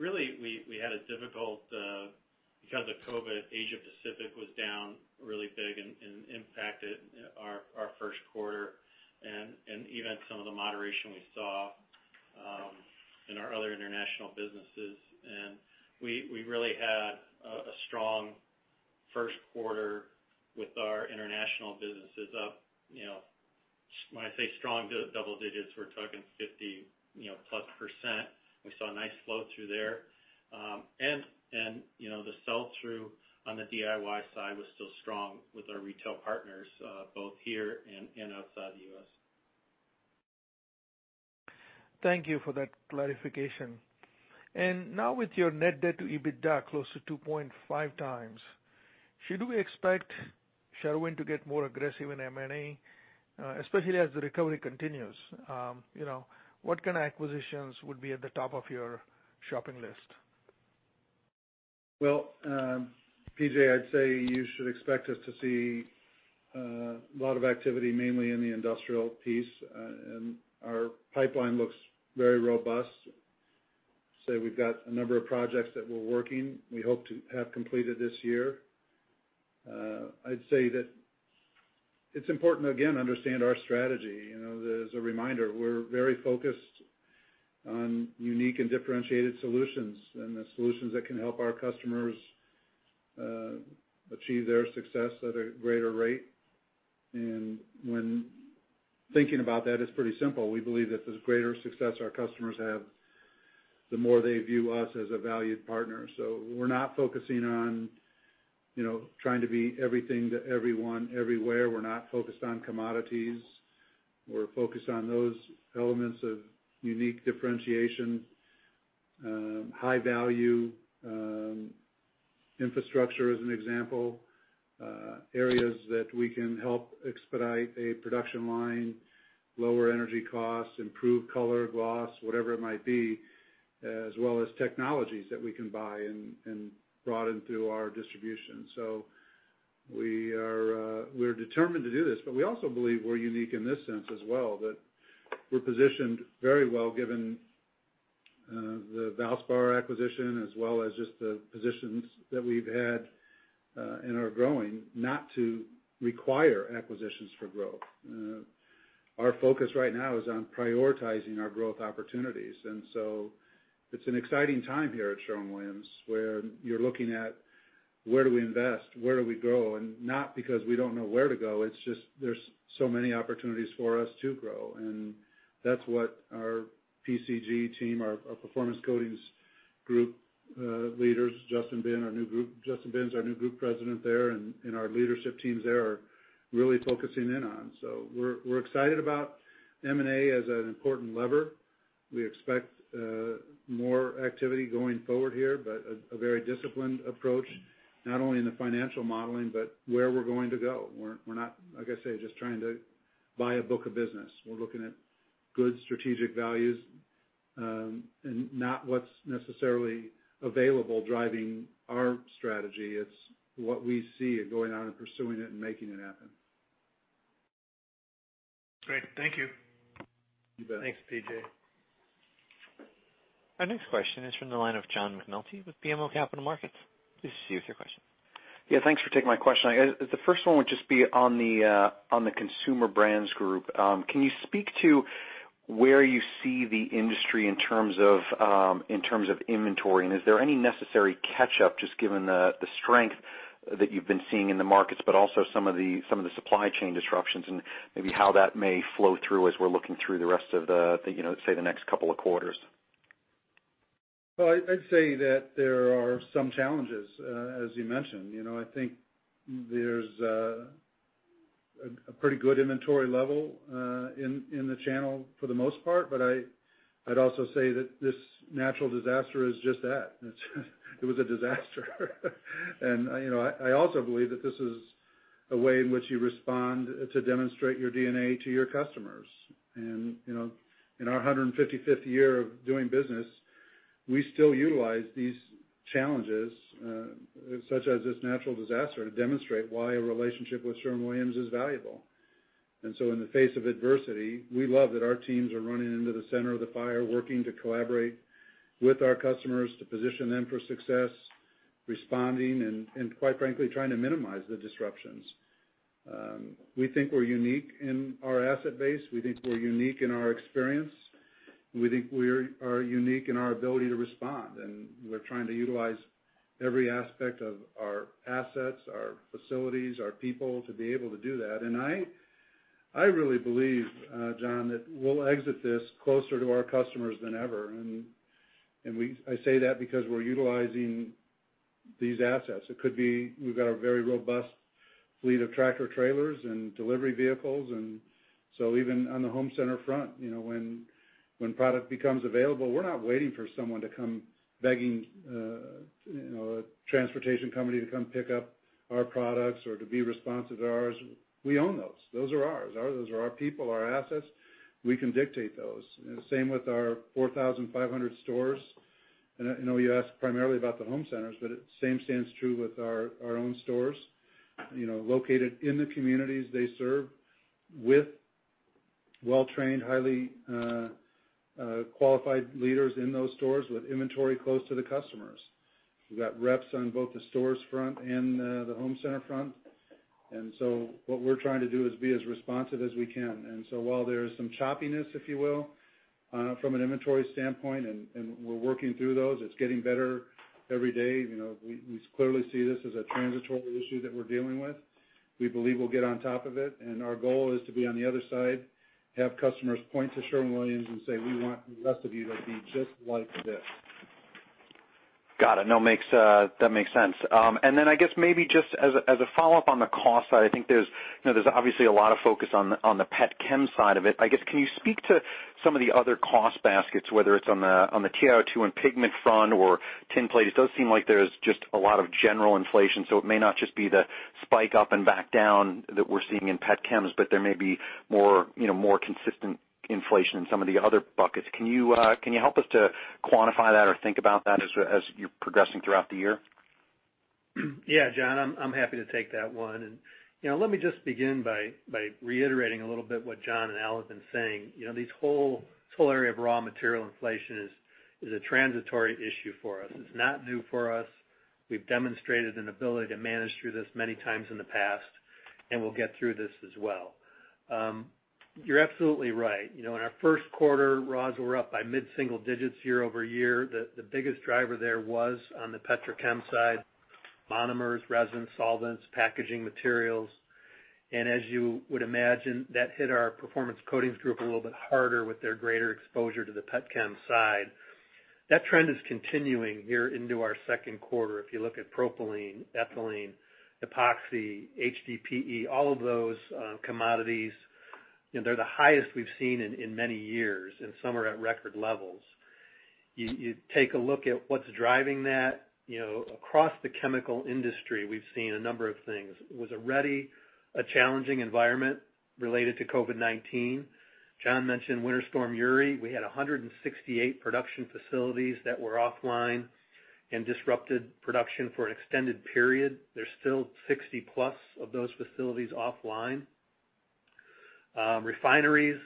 Really, we had a difficult, because of COVID, Asia Pacific was down really big and impacted our first quarter, and even some of the moderation we saw in our other international businesses. We really had a strong first quarter with our international businesses up. When I say strong double digits, we're talking 50%+. We saw a nice flow through there. The sell-through on the DIY side was still strong with our retail partners, both here and outside the U.S. Thank you for that clarification. Now with your net debt to EBITDA close to 2.5 times, should we expect Sherwin-Williams to get more aggressive in M&A, especially as the recovery continues? What kind of acquisitions would be at the top of your shopping list? Well, P.J., I'd say you should expect us to see a lot of activity, mainly in the industrial piece. Our pipeline looks very robust. We've got a number of projects that we're working, we hope to have completed this year. I'd say that it's important, again, to understand our strategy. As a reminder, we're very focused on unique and differentiated solutions and the solutions that can help our customers achieve their success at a greater rate. When thinking about that, it's pretty simple. We believe that the greater success our customers have, the more they view us as a valued partner. We're not focusing on trying to be everything to everyone everywhere. We're not focused on commodities. We're focused on those elements of unique differentiation, high value, infrastructure, as an example. Areas that we can help expedite a production line, lower energy costs, improve color gloss, whatever it might be, as well as technologies that we can buy and broaden through our distribution. We're determined to do this, but we also believe we're unique in this sense as well, that we're positioned very well given the Valspar acquisition, as well as just the positions that we've had and are growing, not to require acquisitions for growth. Our focus right now is on prioritizing our growth opportunities. It's an exciting time here at Sherwin-Williams, where you're looking at. Where do we invest? Where do we grow? Not because we don't know where to go, it's just there's so many opportunities for us to grow. That's what our PCG team, our Performance Coatings Group leaders, Justin Binns, our new group president there, and our leadership teams there are really focusing in on. We're excited about M&A as an important lever. We expect more activity going forward here, but a very disciplined approach, not only in the financial modeling, but where we're going to go. We're not, like I say, just trying to buy a book of business. We're looking at good strategic values, and not what's necessarily available driving our strategy. It's what we see and going out and pursuing it and making it happen. Great. Thank you. You bet. Thanks, PJ. Our next question is from the line of John McNulty with BMO Capital Markets. Please proceed with your question. Yeah. Thanks for taking my question. The first one would just be on the Consumer Brands Group. Can you speak to where you see the industry in terms of inventory? Is there any necessary catch-up just given the strength that you've been seeing in the markets, but also some of the supply chain disruptions and maybe how that may flow through as we're looking through the rest of the, say, the next couple of quarters? Well, I'd say that there are some challenges, as you mentioned. I think there's a pretty good inventory level in the channel for the most part. I'd also say that this natural disaster is just that. It was a disaster. I also believe that this is a way in which you respond to demonstrate your DNA to your customers. In our 155th year of doing business, we still utilize these challenges, such as this natural disaster, to demonstrate why a relationship with Sherwin-Williams is valuable. In the face of adversity, we love that our teams are running into the center of the fire, working to collaborate with our customers to position them for success, responding, and quite frankly, trying to minimize the disruptions. We think we're unique in our asset base. We think we're unique in our experience. We think we are unique in our ability to respond, and we're trying to utilize every aspect of our assets, our facilities, our people to be able to do that. I really believe, John, that we'll exit this closer to our customers than ever. I say that because we're utilizing these assets. It could be we've got a very robust fleet of tractor trailers and delivery vehicles. Even on the home center front, when product becomes available, we're not waiting for someone to come begging a transportation company to come pick up our products or to be responsive to ours. We own those. Those are ours. Those are our people, our assets. We can dictate those. Same with our 4,500 stores. I know you asked primarily about the home centers, but same stands true with our own stores, located in the communities they serve with well-trained, highly qualified leaders in those stores with inventory close to the customers. We've got reps on both the stores front and the home center front. What we're trying to do is be as responsive as we can. While there is some choppiness, if you will, from an inventory standpoint, and we're working through those, it's getting better every day. We clearly see this as a transitory issue that we're dealing with. We believe we'll get on top of it, and our goal is to be on the other side, have customers point to Sherwin-Williams and say, "We want the rest of you to be just like this. Got it. No, that makes sense. I guess maybe just as a follow-up on the cost side, I think there's obviously a lot of focus on the pet chem side of it. I guess, can you speak to some of the other cost baskets, whether it's on the TiO2 and pigment front or tin plates? It does seem like there's just a lot of general inflation, so it may not just be the spike up and back down that we're seeing in pet chems, but there may be more consistent inflation in some of the other buckets. Can you help us to quantify that or think about that as you're progressing throughout the year? Yeah, John, I'm happy to take that one. Let me just begin by reiterating a little bit what John and Al have been saying. This whole area of raw material inflation is a transitory issue for us. It's not new for us. We've demonstrated an ability to manage through this many times in the past, and we'll get through this as well. You're absolutely right. In our first quarter, raws were up by mid-single digits year-over-year. The biggest driver there was on the petrochem side, monomers, resin, solvents, packaging materials. As you would imagine, that hit our Performance Coatings Group a little bit harder with their greater exposure to the pet chem side. That trend is continuing here into our second quarter. If you look at propylene, ethylene, epoxy, HDPE, all of those commodities, they're the highest we've seen in many years, and some are at record levels. You take a look at what's driving that. Across the chemical industry, we've seen a number of things. It was already a challenging environment related to COVID-19. John mentioned Winter Storm Uri. We had 168 production facilities that were offline and disrupted production for an extended period. There's still 60+ of those facilities offline. Refineries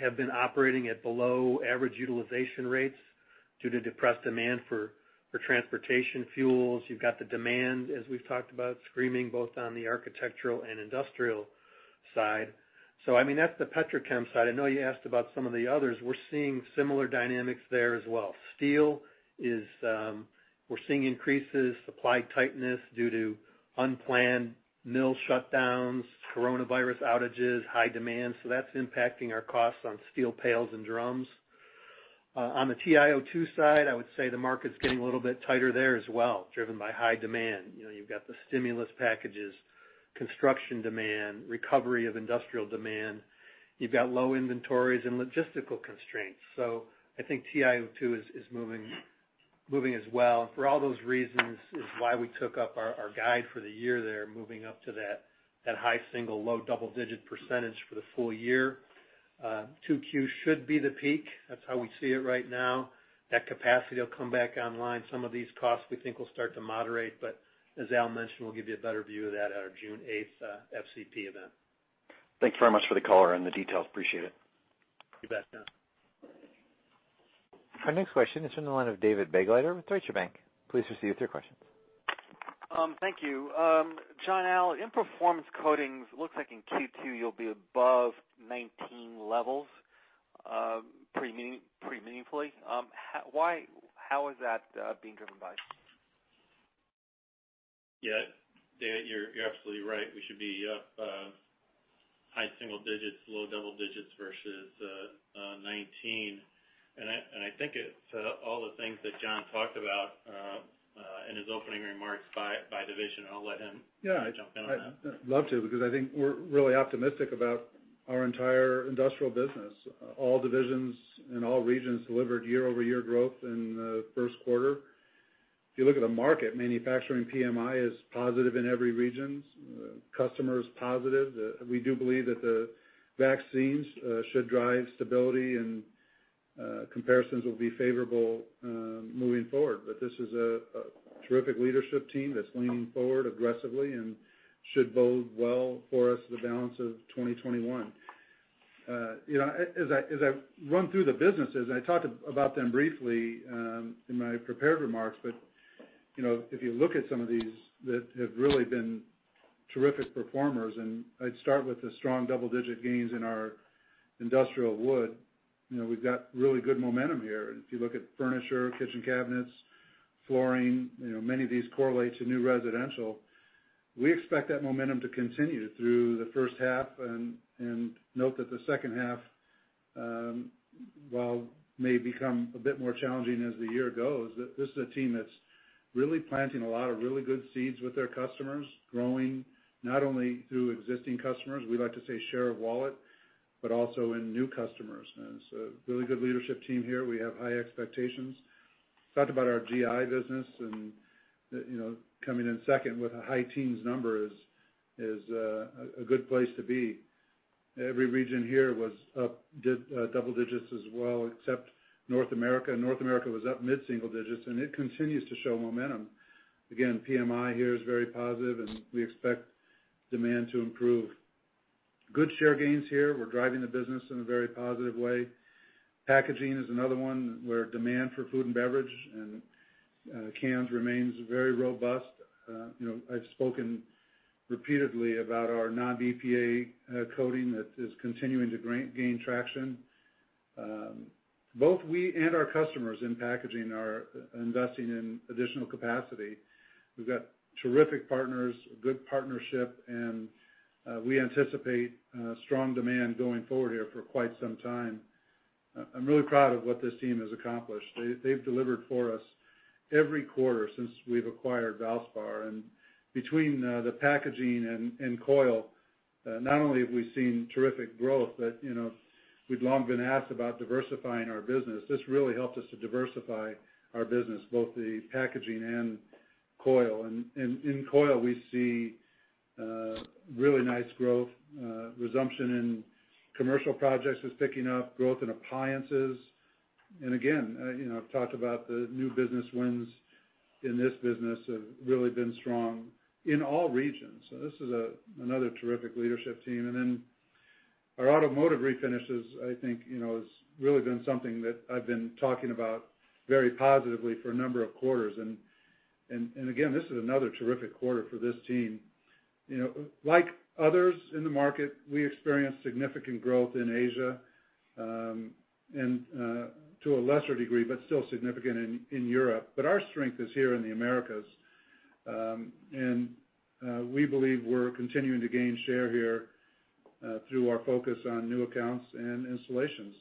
have been operating at below average utilization rates due to depressed demand for transportation fuels. You've got the demand, as we've talked about, screaming both on the architectural and industrial side. That's the petrochem side. I know you asked about some of the others. We're seeing similar dynamics there as well. Steel, we're seeing increases, supply tightness due to unplanned mill shutdowns, coronavirus outages, high demand. That's impacting our costs on steel pails and drums. On the TiO2 side, I would say the market's getting a little bit tighter there as well, driven by high demand. You've got the stimulus packages, construction demand, recovery of industrial demand. You've got low inventories and logistical constraints. I think TiO2 is moving as well. For all those reasons is why we took up our guide for the year there, moving up to that high single, low double-digit percentage for the full year. 2Q should be the peak. That's how we see it right now. That capacity will come back online. Some of these costs we think will start to moderate, but as Al mentioned, we'll give you a better view of that at our June 8th FCP event. Thank you very much for the color and the details. Appreciate it. You bet, John. Our next question is from the line of David Begleiter with Deutsche Bank. Please proceed with your question. Thank you. John, Al, in Performance Coatings, looks like in Q2 you'll be above 2019 levels pretty meaningfully. How is that being driven by? Yeah, David, you're absolutely right. We should be up high single digits, low double digits versus 2019, and I think it's all the things that John talked about in his opening remarks by division, and I'll let him jump in on that. Yeah, I'd love to because I think we're really optimistic about our entire industrial business. All divisions in all regions delivered year-over-year growth in the first quarter. Manufacturing PMI is positive in every region. Customer is positive. We do believe that the vaccines should drive stability, and comparisons will be favorable moving forward. This is a terrific leadership team that's leaning forward aggressively and should bode well for us the balance of 2021. As I run through the businesses, and I talked about them briefly in my prepared remarks, but if you look at some of these that have really been terrific performers, and I'd start with the strong double-digit gains in our industrial wood. We've got really good momentum here. If you look at furniture, kitchen cabinets, flooring, many of these correlate to new residential. We expect that momentum to continue through the first half. Note that the second half, while may become a bit more challenging as the year goes, this is a team that's really planting a lot of really good seeds with their customers, growing not only through existing customers, we like to say share of wallet, but also in new customers. It's a really good leadership team here. We have high expectations. Talked about our GI business, coming in second with a high teens number is a good place to be. Every region here was up double digits as well, except North America. North America was up mid-single digits. It continues to show momentum. Again, PMI here is very positive. We expect demand to improve. Good share gains here. We're driving the business in a very positive way. Packaging is another one where demand for food and beverage and cans remains very robust. I've spoken repeatedly about our non-BPA coating that is continuing to gain traction. Both we and our customers in packaging are investing in additional capacity. We've got terrific partners, a good partnership, and we anticipate strong demand going forward here for quite some time. I'm really proud of what this team has accomplished. They've delivered for us every quarter since we've acquired Valspar, and between the packaging and coil, not only have we seen terrific growth, but we'd long been asked about diversifying our business. This really helped us to diversify our business, both the packaging and coil. In coil, we see really nice growth. Resumption in commercial projects is picking up, growth in appliances. Again, I've talked about the new business wins in this business have really been strong in all regions. This is another terrific leadership team. Our automotive refinishes, I think, has really been something that I've been talking about very positively for a number of quarters. Again, this is another terrific quarter for this team. Like others in the market, we experienced significant growth in Asia, and to a lesser degree, but still significant, in Europe. Our strength is here in the Americas. We believe we're continuing to gain share here through our focus on new accounts and installations.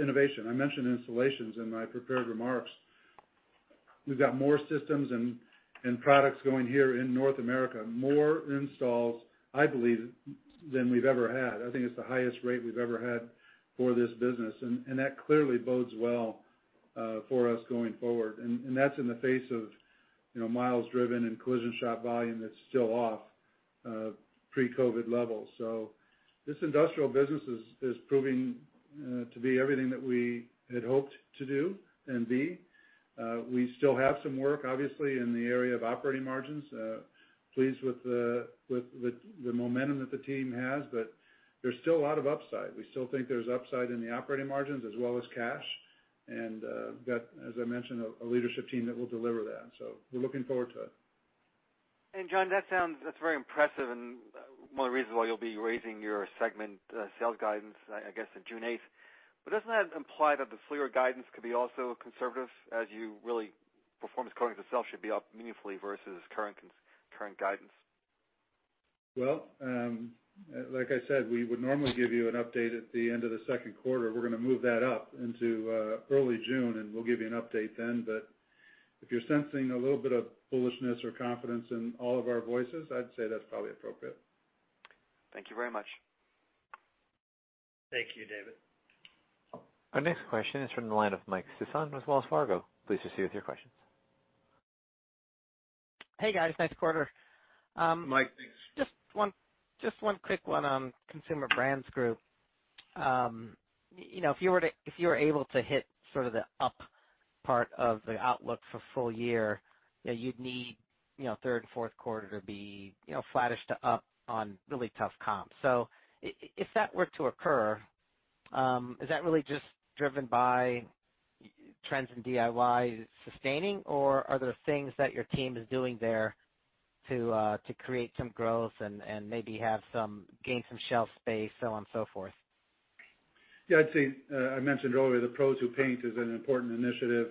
Innovation. I mentioned installations in my prepared remarks. We've got more systems and products going here in North America, more installs, I believe, than we've ever had. I think it's the highest rate we've ever had for this business, and that clearly bodes well for us going forward. That's in the face of miles driven and collision shop volume that's still off pre-COVID levels. This industrial business is proving to be everything that we had hoped to do and be. We still have some work, obviously, in the area of operating margins. Pleased with the momentum that the team has, but there's still a lot of upside. We still think there's upside in the operating margins as well as cash, and got, as I mentioned, a leadership team that will deliver that. We're looking forward to it. John, that's very impressive and one of the reasons why you'll be raising your segment sales guidance, I guess, on June 8th. Doesn't that imply that the full-year guidance could be also conservative as you really, Performance Coatings itself should be up meaningfully versus current guidance? Like I said, we would normally give you an update at the end of the second quarter. We're going to move that up into early June. We'll give you an update then. If you're sensing a little bit of bullishness or confidence in all of our voices, I'd say that's probably appropriate. Thank you very much. Thank you, David. Our next question is from the line of Mike Sison with Wells Fargo. Please proceed with your questions. Hey, guys. Nice quarter. Mike, thanks. Just one quick one on Consumer Brands Group. If you were able to hit sort of the up part of the outlook for full year, you'd need third and fourth quarter to be flattish to up on really tough comps. If that were to occur, is that really just driven by trends in DIY sustaining, or are there things that your team is doing there to create some growth and maybe gain some shelf space, so on and so forth? I'd say I mentioned earlier, the Pros Who Paint is an important initiative,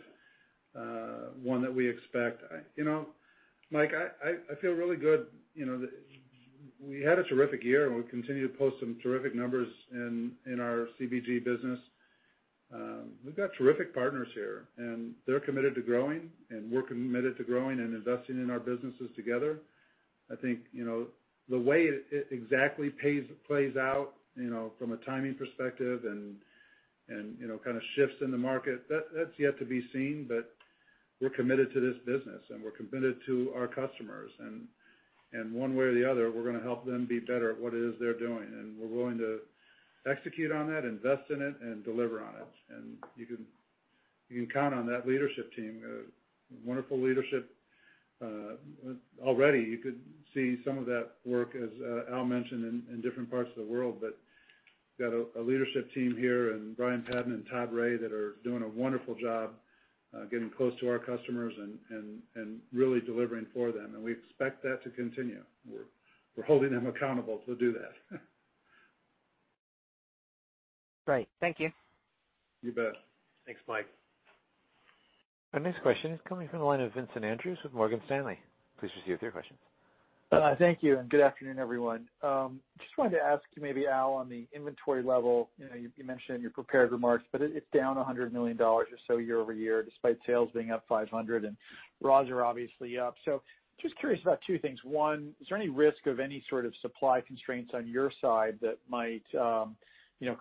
one that we expect. Mike, I feel really good. We had a terrific year, and we continue to post some terrific numbers in our CBG business. We've got terrific partners here, and they're committed to growing, and we're committed to growing and investing in our businesses together. I think, the way it exactly plays out from a timing perspective and kind of shifts in the market, that's yet to be seen, but we're committed to this business, and we're committed to our customers. One way or the other, we're going to help them be better at what it is they're doing. We're willing to execute on that, invest in it, and deliver on it. You can count on that leadership team. Wonderful leadership. Already you could see some of that work, as Al mentioned, in different parts of the world. Got a leadership team here in Brian Padden and Todd Rea that are doing a wonderful job getting close to our customers and really delivering for them, and we expect that to continue. We're holding them accountable to do that. Great. Thank you. You bet. Thanks, Mike. Our next question is coming from the line of Vincent Andrews with Morgan Stanley. Please proceed with your question. Thank you. Good afternoon, everyone. Just wanted to ask you maybe, Al, on the inventory level. You mentioned in your prepared remarks, but it's down $100 million or so year-over-year, despite sales being up $500 and raws are obviously up. Just curious about two things. One, is there any risk of any sort of supply constraints on your side that might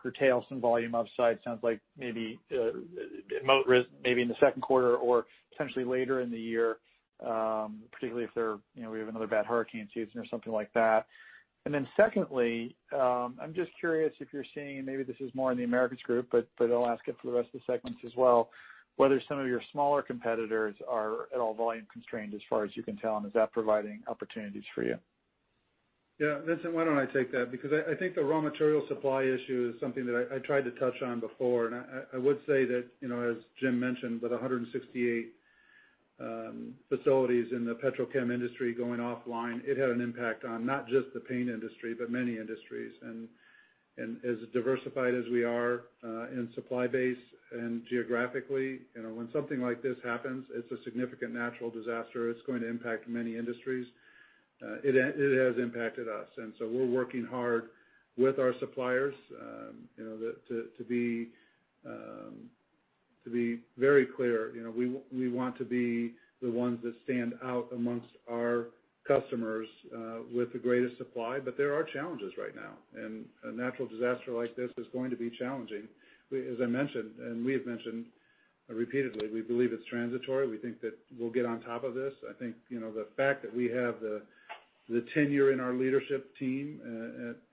curtail some volume upside? Sounds like maybe in the second quarter or potentially later in the year, particularly if we have another bad hurricane season or something like that. Secondly, I'm just curious if you're seeing, maybe this is more in The Americas Group, but I'll ask it for the rest of the segments as well, whether some of your smaller competitors are at all volume constrained as far as you can tell, and is that providing opportunities for you? Yeah, Vincent, I think the raw material supply issue is something that I tried to touch on before. I would say that, as Jim mentioned, with 168 facilities in the petrochem industry going offline, it had an impact on not just the paint industry, but many industries. As diversified as we are in supply base and geographically, when something like this happens, it's a significant natural disaster. It's going to impact many industries. It has impacted us, we're working hard with our suppliers. To be very clear, we want to be the ones that stand out amongst our customers with the greatest supply, there are challenges right now, a natural disaster like this is going to be challenging. As I mentioned, we have mentioned repeatedly, we believe it's transitory. We think that we'll get on top of this. I think the fact that we have the tenure in our leadership team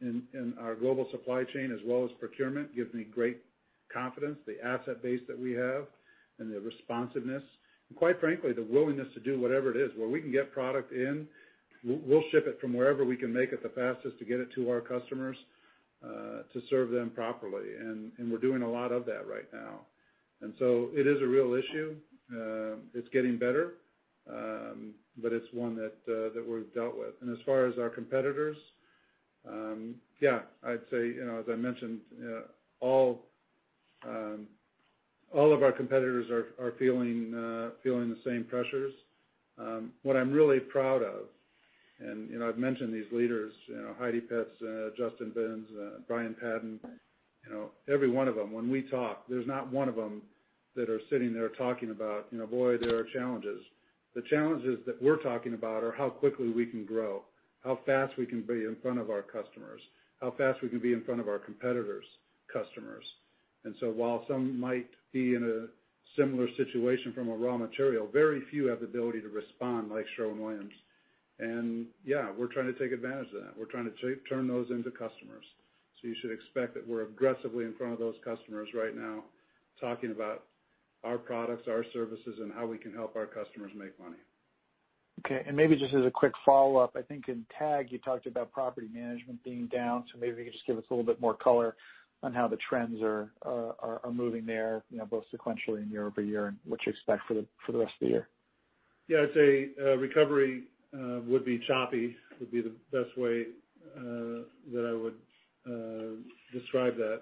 in our global supply chain as well as procurement gives me great confidence. The asset base that we have and the responsiveness, quite frankly, the willingness to do whatever it is. Where we can get product in, we'll ship it from wherever we can make it the fastest to get it to our customers to serve them properly, and we're doing a lot of that right now. It is a real issue. It's getting better, but it's one that we've dealt with. As far as our competitors, I'd say, as I mentioned, all of our competitors are feeling the same pressures. What I'm really proud of, I've mentioned these leaders, Heidi Petz, Justin Binns, Brian Padden, every one of them, when we talk, there's not one of them that are sitting there talking about, boy, there are challenges. The challenges that we're talking about are how quickly we can grow, how fast we can be in front of our customers, how fast we can be in front of our competitors' customers. While some might be in a similar situation from a raw material, very few have the ability to respond like Sherwin-Williams. Yeah, we're trying to take advantage of that. We're trying to turn those into customers. You should expect that we're aggressively in front of those customers right now, talking about our products, our services, and how we can help our customers make money. Okay, maybe just as a quick follow-up, I think in TAG, you talked about property management being down, maybe if you could just give us a little bit more color on how the trends are moving there, both sequentially and year-over-year, and what you expect for the rest of the year. Yeah, I'd say recovery would be choppy, would be the best way that I would describe that.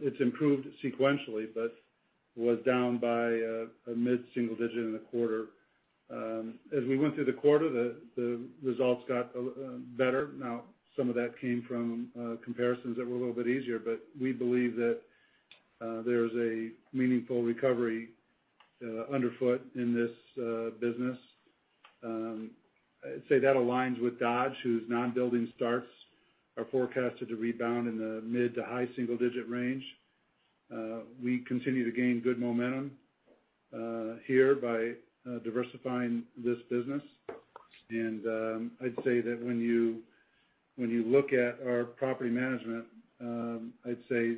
It's improved sequentially, but was down by a mid-single digit in the quarter. As we went through the quarter, the results got better. Some of that came from comparisons that were a little bit easier, but we believe that there's a meaningful recovery underfoot in this business. I'd say that aligns with Dodge, whose non-building starts are forecasted to rebound in the mid to high single digit range. We continue to gain good momentum here by diversifying this business. I'd say that when you look at our property management, I'd say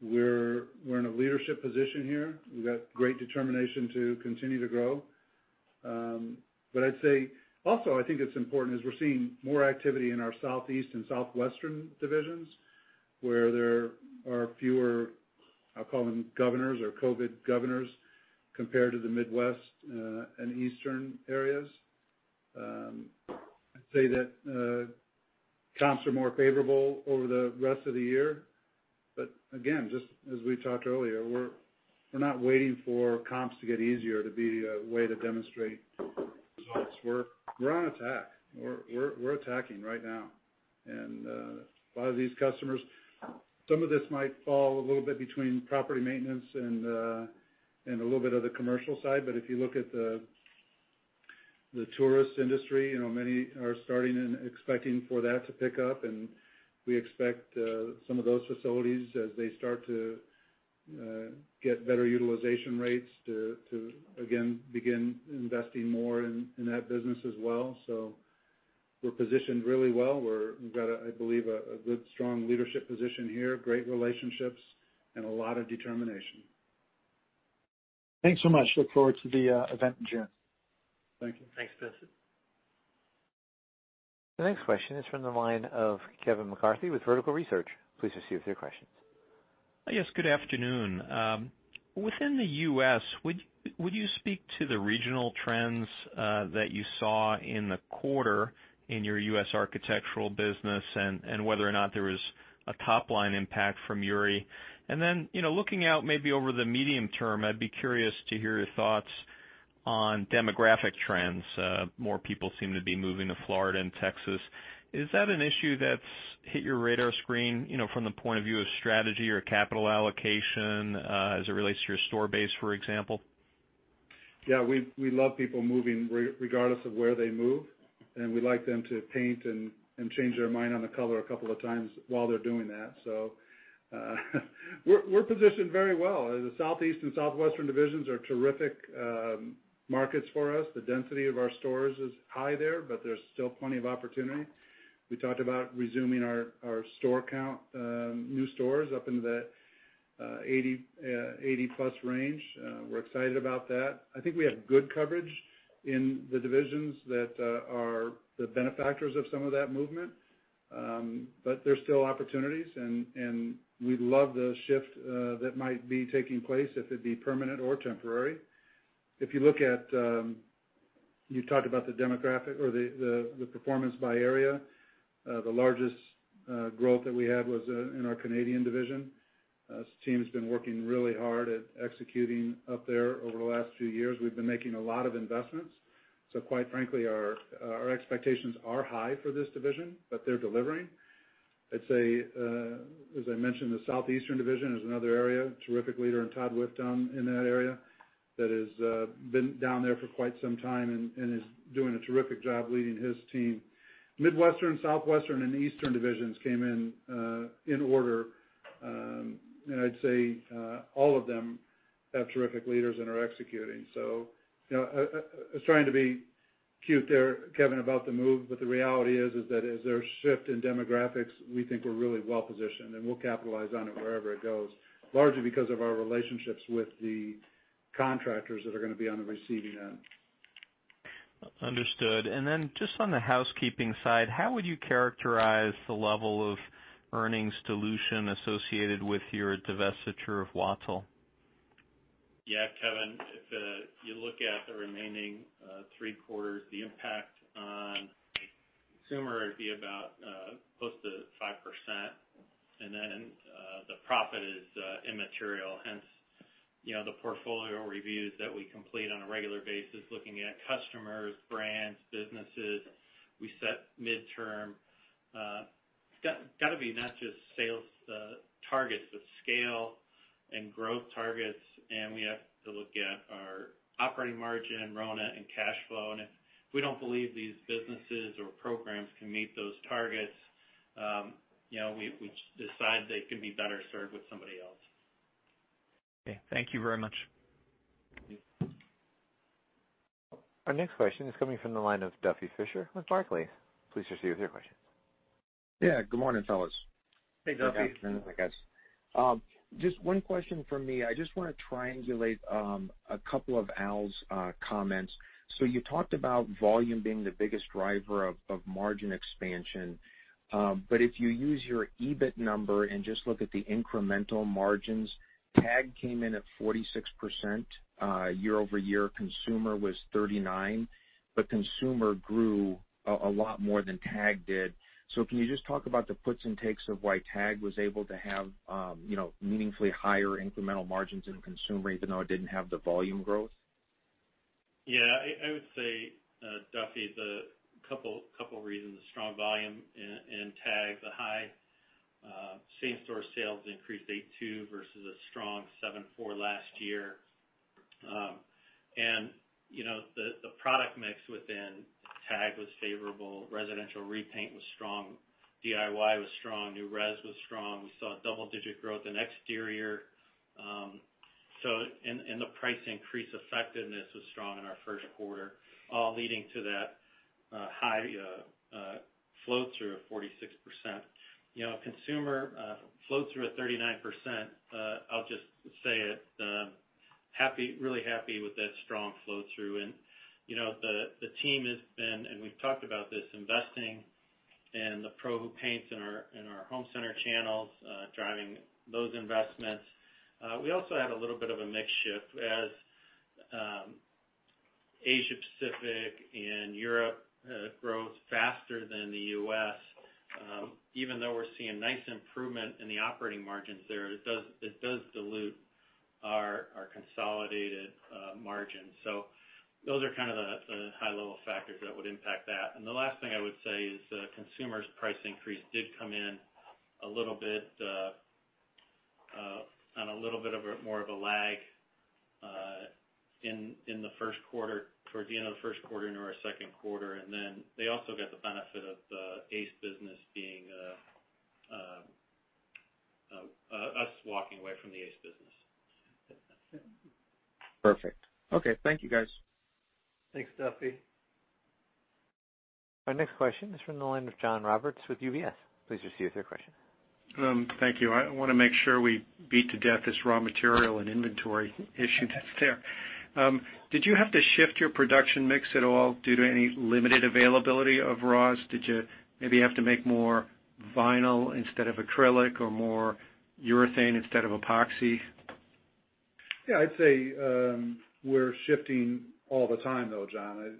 we're in a leadership position here. We've got great determination to continue to grow. I'd say, also, I think it's important, is we're seeing more activity in our Southeast and Southwestern divisions, where there are fewer, I'll call them governors or COVID governors, compared to the Midwest and Eastern areas. I'd say that comps are more favorable over the rest of the year. Again, just as we talked earlier, we're not waiting for comps to get easier to be a way to demonstrate results. We're on attack. We're attacking right now. A lot of these customers, some of this might fall a little bit between property maintenance and a little bit of the commercial side. If you look at the tourist industry, many are starting and expecting for that to pick up, and we expect some of those facilities, as they start to get better utilization rates, to again, begin investing more in that business as well. We're positioned really well. We've got, I believe, a good, strong leadership position here, great relationships, and a lot of determination. Thanks so much. Look forward to the event in June. Thank you. Thanks, Vincent. The next question is from the line of Kevin McCarthy with Vertical Research. Please proceed with your questions. Yes, good afternoon. Within the U.S., would you speak to the regional trends that you saw in the quarter in your U.S. architectural business, and whether or not there was a top-line impact from Uri? Looking out maybe over the medium term, I'd be curious to hear your thoughts on demographic trends. More people seem to be moving to Florida and Texas. Is that an issue that's hit your radar screen, from the point of view of strategy or capital allocation, as it relates to your store base, for example? Yeah, we love people moving regardless of where they move, and we like them to paint and change their mind on the color a couple of times while they are doing that. We are positioned very well. The Southeast and Southwestern Divisions are terrific markets for us. The density of our stores is high there is still plenty of opportunity. We talked about resuming our store count, new stores up into that 80+ range. We are excited about that. I think we have good coverage in the divisions that are the benefactors of some of that movement. There are still opportunities, and we love the shift that might be taking place if it be permanent or temporary. You talked about the demographic or the performance by area. The largest growth that we had was in our Canadian Division. This team's been working really hard at executing up there over the last few years. We've been making a lot of investments. Quite frankly, our expectations are high for this division, but they're delivering. As I mentioned, the Southeastern Division is another area. Terrific leader in Todd Wipf down in that area that has been down there for quite some time and is doing a terrific job leading his team. Midwestern, Southwestern, and Eastern Divisions came in order. I'd say all of them have terrific leaders and are executing. I was trying to be cute there, Kevin, about the move, but the reality is that as there's shift in demographics, we think we're really well positioned, and we'll capitalize on it wherever it goes, largely because of our relationships with the contractors that are going to be on the receiving end. Understood. Just on the housekeeping side, how would you characterize the level of earnings dilution associated with your divestiture of Wattyl? Yeah, Kevin, if you look at the remaining three quarters, the impact on consumer would be about close to 5%, the profit is immaterial. Hence, the portfolio reviews that we complete on a regular basis, looking at customers, brands, businesses. We set midterm. It's got to be not just sales targets, but scale and growth targets, and we have to look at our operating margin, RONA, and cash flow. If we don't believe these businesses or programs can meet those targets, we decide they could be better served with somebody else. Okay. Thank you very much. Thank you. Our next question is coming from the line of Duffy Fischer with Barclays. Please proceed with your question. Yeah, good morning, fellas. Thanks, Duffy. Good afternoon, guys. Just one question from me. I just want to triangulate a couple of Al's comments. You talked about volume being the biggest driver of margin expansion. If you use your EBIT number and just look at the incremental margins, TAG came in at 46% year-over-year, consumer was 39, but consumer grew a lot more than TAG did. Can you just talk about the puts and takes of why TAG was able to have meaningfully higher incremental margins in consumer, even though it didn't have the volume growth? Yeah. I would say, Duffy, the couple of reasons, the strong volume in TAG, the high same-store sales increased 8.2% versus a strong 7.4% last year. The product mix within TAG was favorable. Residential repaint was strong, DIY was strong, new res was strong. We saw double-digit growth in exterior. The price increase effectiveness was strong in our first quarter, all leading to that high flow-through of 46%. Consumer flow-through at 39%, I'll just say it, really happy with that strong flow-through. The team has been, and we've talked about this, investing in the Pros Who Paint in our home center channels, driving those investments. We also had a little bit of a mix shift as Asia-Pacific and Europe grows faster than the U.S., even though we're seeing nice improvement in the operating margins there, it does dilute our consolidated margins. Those are kind of the high-level factors that would impact that. The last thing I would say is Consumer's price increase did come in on a little bit more of a lag in the first quarter, towards the end of the first quarter into our second quarter. They also get the benefit of us walking away from the Ace business. Perfect. Okay. Thank you, guys. Thanks, Duffy. Our next question is from the line of John Roberts with UBS. Please proceed with your question. Thank you. I want to make sure we beat to death this raw material and inventory issue that's there. Did you have to shift your production mix at all due to any limited availability of raws? Did you maybe have to make more vinyl instead of acrylic or more urethane instead of epoxy? Yeah, I'd say we're shifting all the time though, John,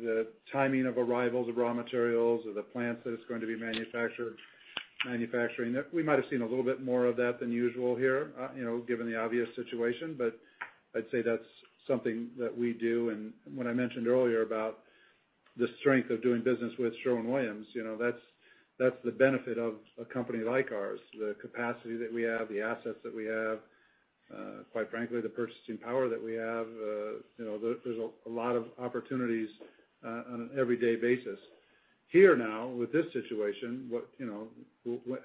the timing of arrivals of raw materials or the plants that it's going to be manufacturing. We might've seen a little bit more of that than usual here, given the obvious situation, but I'd say that's something that we do, and what I mentioned earlier about the strength of doing business with Sherwin-Williams, that's the benefit of a company like ours. The capacity that we have, the assets that we have, quite frankly, the purchasing power that we have, there's a lot of opportunities on an everyday basis. Here now, with this situation,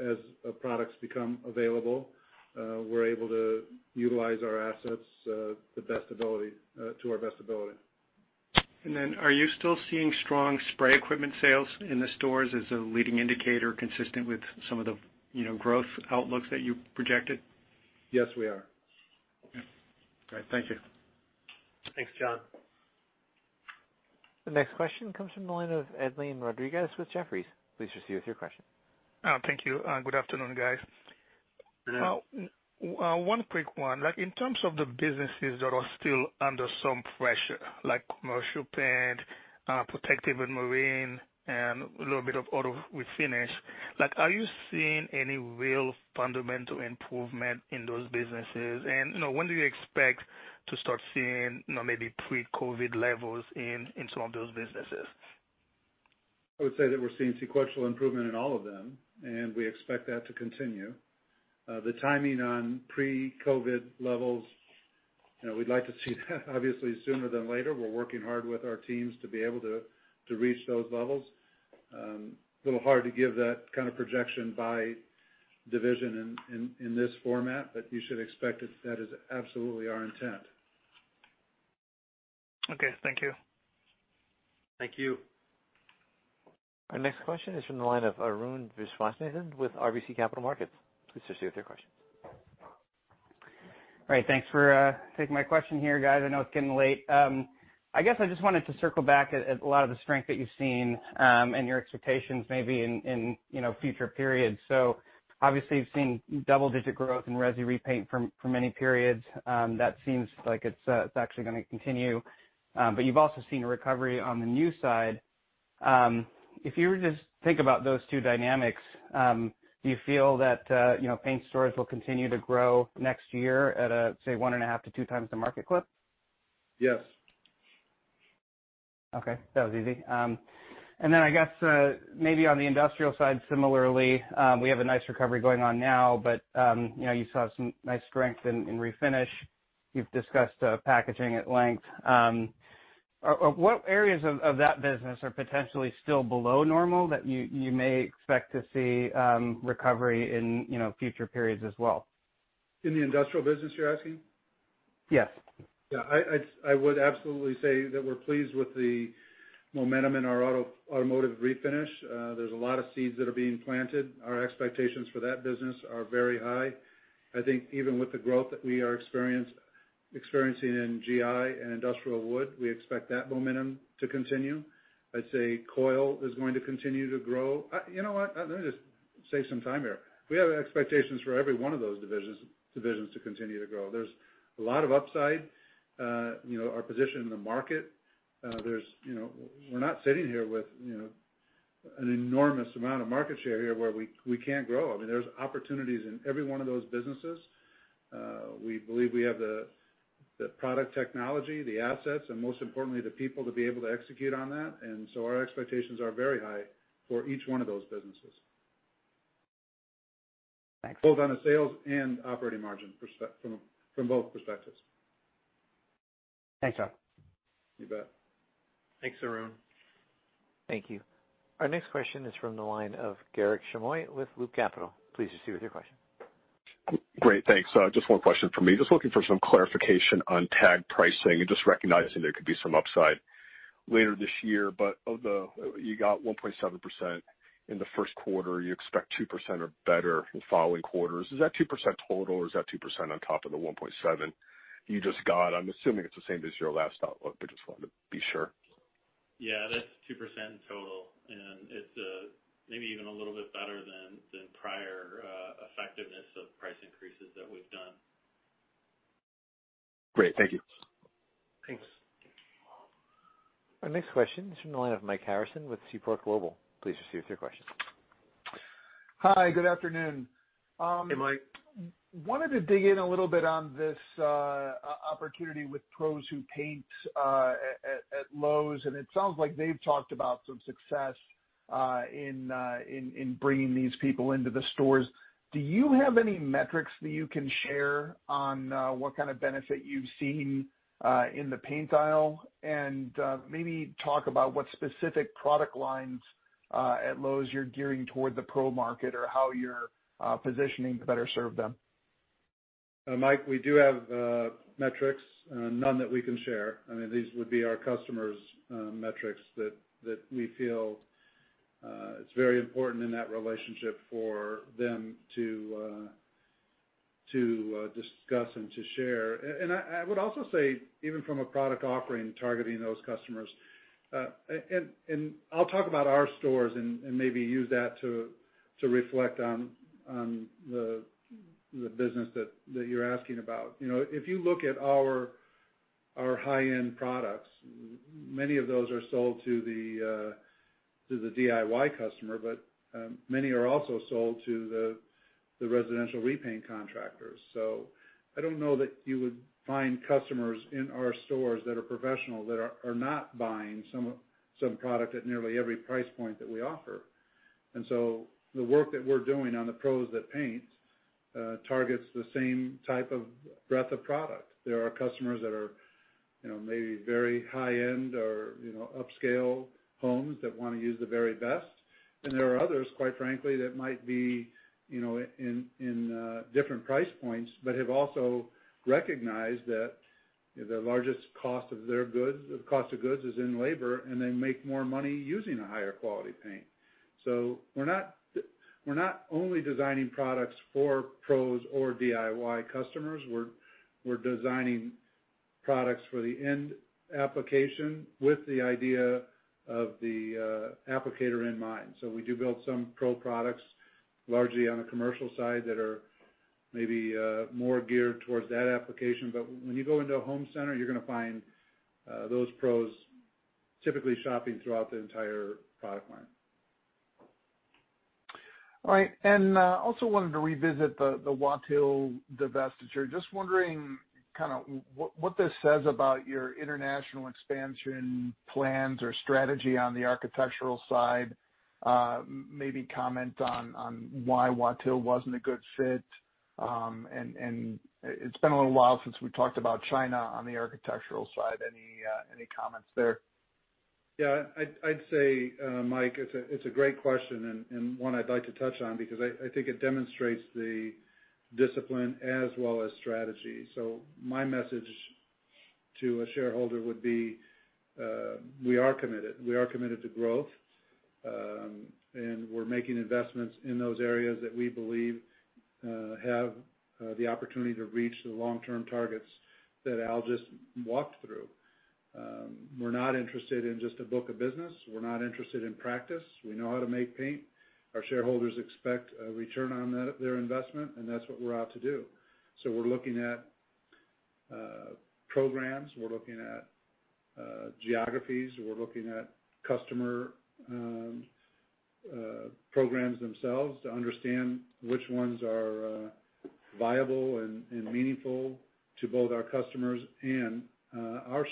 as products become available, we're able to utilize our assets to our best ability. Are you still seeing strong spray equipment sales in the stores as a leading indicator consistent with some of the growth outlooks that you projected? Yes, we are. Okay. All right. Thank you. Thanks, John. The next question comes from the line of Edlain Rodriguez with Jefferies. Please proceed with your question. Thank you. Good afternoon, guys. Good afternoon. One quick one. In terms of the businesses that are still under some pressure, like commercial paint, protective and marine, and a little bit of auto with finish, are you seeing any real fundamental improvement in those businesses? When do you expect to start seeing maybe pre-COVID levels in some of those businesses? I would say that we're seeing sequential improvement in all of them, and we expect that to continue. The timing on pre-COVID levels, we'd like to see that obviously sooner than later. We're working hard with our teams to be able to reach those levels. Little hard to give that kind of projection by division in this format, but you should expect that is absolutely our intent. Okay. Thank you. Thank you. Our next question is from the line of Arun Viswanathan with RBC Capital Markets. Please proceed with your question. All right. Thanks for taking my question here, guys. I know it's getting late. I guess I just wanted to circle back at a lot of the strength that you've seen, and your expectations maybe in future periods. Obviously you've seen double-digit growth in resi repaint for many periods. That seems like it's actually gonna continue. You've also seen a recovery on the new side. If you were to just think about those two dynamics, do you feel that paint stores will continue to grow next year at a, say, 1.5 to two times the market clip? Yes. Okay. That was easy. Then I guess, maybe on the industrial side similarly, we have a nice recovery going on now, but you still have some nice strength in Refinish. You've discussed Packaging at length. What areas of that business are potentially still below normal that you may expect to see recovery in future periods as well? In the industrial business, you're asking? Yes. Yeah, I would absolutely say that we're pleased with the momentum in our automotive refinish. There's a lot of seeds that are being planted. Our expectations for that business are very high. I think even with the growth that we are experiencing in GI and industrial wood, we expect that momentum to continue. I'd say coil is going to continue to grow. You know what? Let me just save some time here. We have expectations for every one of those divisions to continue to grow. There's a lot of upside, our position in the market. We're not sitting here with an enormous amount of market share here where we can't grow. I mean, there's opportunities in every one of those businesses. We believe we have the product technology, the assets, and most importantly, the people to be able to execute on that. Our expectations are very high for each one of those businesses. Thanks. Both on the sales and operating margin from both perspectives. Thanks, John. You bet. Thanks, Arun. Thank you. Our next question is from the line of Garik Shmois with Loop Capital. Please proceed with your question. Great. Thanks. Just one question from me. Just looking for some clarification on TAG pricing and just recognizing there could be some upside later this year. You got 1.7% in the first quarter. You expect 2% or better in following quarters. Is that 2% total or is that 2% on top of the 1.7% you just got? I'm assuming it's the same as your last outlook, but just wanted to be sure. Yeah. That's 2% total, and it's maybe even a little bit better than prior effectiveness of price increases that we've done. Great. Thank you. Thanks. Our next question is from the line of Mike Harrison with Seaport Global. Please proceed with your question. Hi. Good afternoon. Hey, Mike. Wanted to dig in a little bit on this opportunity with Pros Who Paint at Lowe's. It sounds like they've talked about some success in bringing these people into the stores. Do you have any metrics that you can share on what kind of benefit you've seen in the paint aisle? Maybe talk about what specific product lines at Lowe's you're gearing toward the pro market or how you're positioning to better serve them. Michael, we do have metrics. None that we can share. I mean, these would be our customer's metrics that we feel it's very important in that relationship for them to discuss and to share. I would also say, even from a product offering, targeting those customers, and I'll talk about our stores and maybe use that to reflect on the business that you're asking about. If you look at our high-end products, many of those are sold to the DIY customer, many are also sold to the residential repaint contractors. I don't know that you would find customers in our stores that are professional, that are not buying some product at nearly every price point that we offer. The work that we're doing on the Pros That Paint targets the same type of breadth of product. There are customers that are maybe very high-end or upscale homes that want to use the very best, and there are others, quite frankly, that might be in different price points, but have also recognized that the largest cost of goods is in labor, and they make more money using a higher quality paint. We're not only designing products for pros or DIY customers. We're designing products for the end application with the idea of the applicator in mind. We do build some pro products largely on the commercial side that are maybe more geared towards that application. When you go into a home center, you're going to find those pros typically shopping throughout the entire product line. All right. Also wanted to revisit the Wattyl divestiture. Just wondering kind of what this says about your international expansion plans or strategy on the architectural side. Maybe comment on why Wattyl wasn't a good fit. It's been a little while since we talked about China on the architectural side. Any comments there? Yeah, I'd say, Mike, it's a great question and one I'd like to touch on because I think it demonstrates the discipline as well as strategy. My message to a shareholder would be we are committed. We are committed to growth, and we're making investments in those areas that we believe have the opportunity to reach the long-term targets that Al just walked through. We're not interested in just a book of business. We're not interested in practice. We know how to make paint. Our shareholders expect a return on their investment, and that's what we're out to do. We're looking at programs, we're looking at geographies, we're looking at customer programs themselves to understand which ones are viable and meaningful to both our customers and our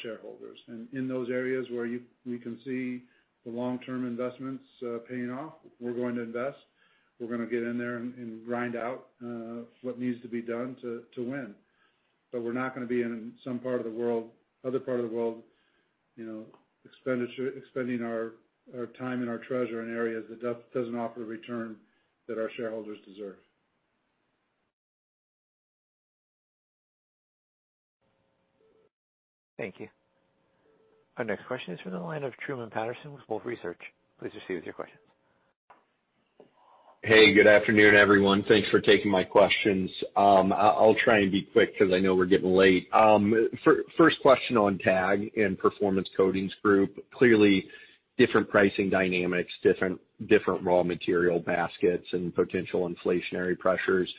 shareholders. In those areas where we can see the long-term investments paying off, we're going to invest. We're going to get in there and grind out what needs to be done to win. We're not going to be in some other part of the world, you know, expending our time and our treasure in areas that doesn't offer the return that our shareholders deserve. Thank you. Our next question is from the line of Truman Patterson with Wolfe Research. Please proceed with your questions. Hey, good afternoon, everyone. Thanks for taking my questions. I'll try and be quick because I know we're getting late. First question on TAG and Performance Coatings Group. Clearly different pricing dynamics, different raw material baskets, and potential inflationary pressures.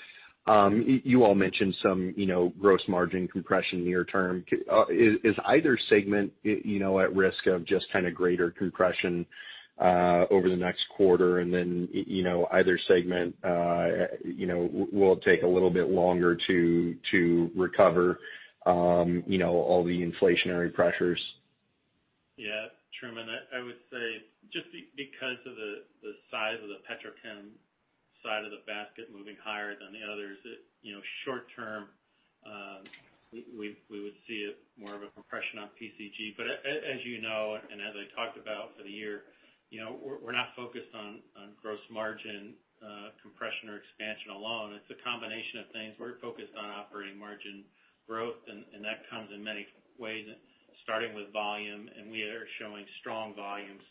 You all mentioned some gross margin compression near term. Is either segment at risk of just kind of greater compression over the next quarter and then either segment will take a little bit longer to recover all the inflationary pressures? Truman, I would say just because of the size of the petrochem side of the basket moving higher than the others, short term, we would see it more of a compression on PCG. As you know, and as I talked about for the year, we're not focused on gross margin compression or expansion alone. It's a combination of things. We're focused on operating margin growth, and that comes in many ways, starting with volume, and we are showing strong volumes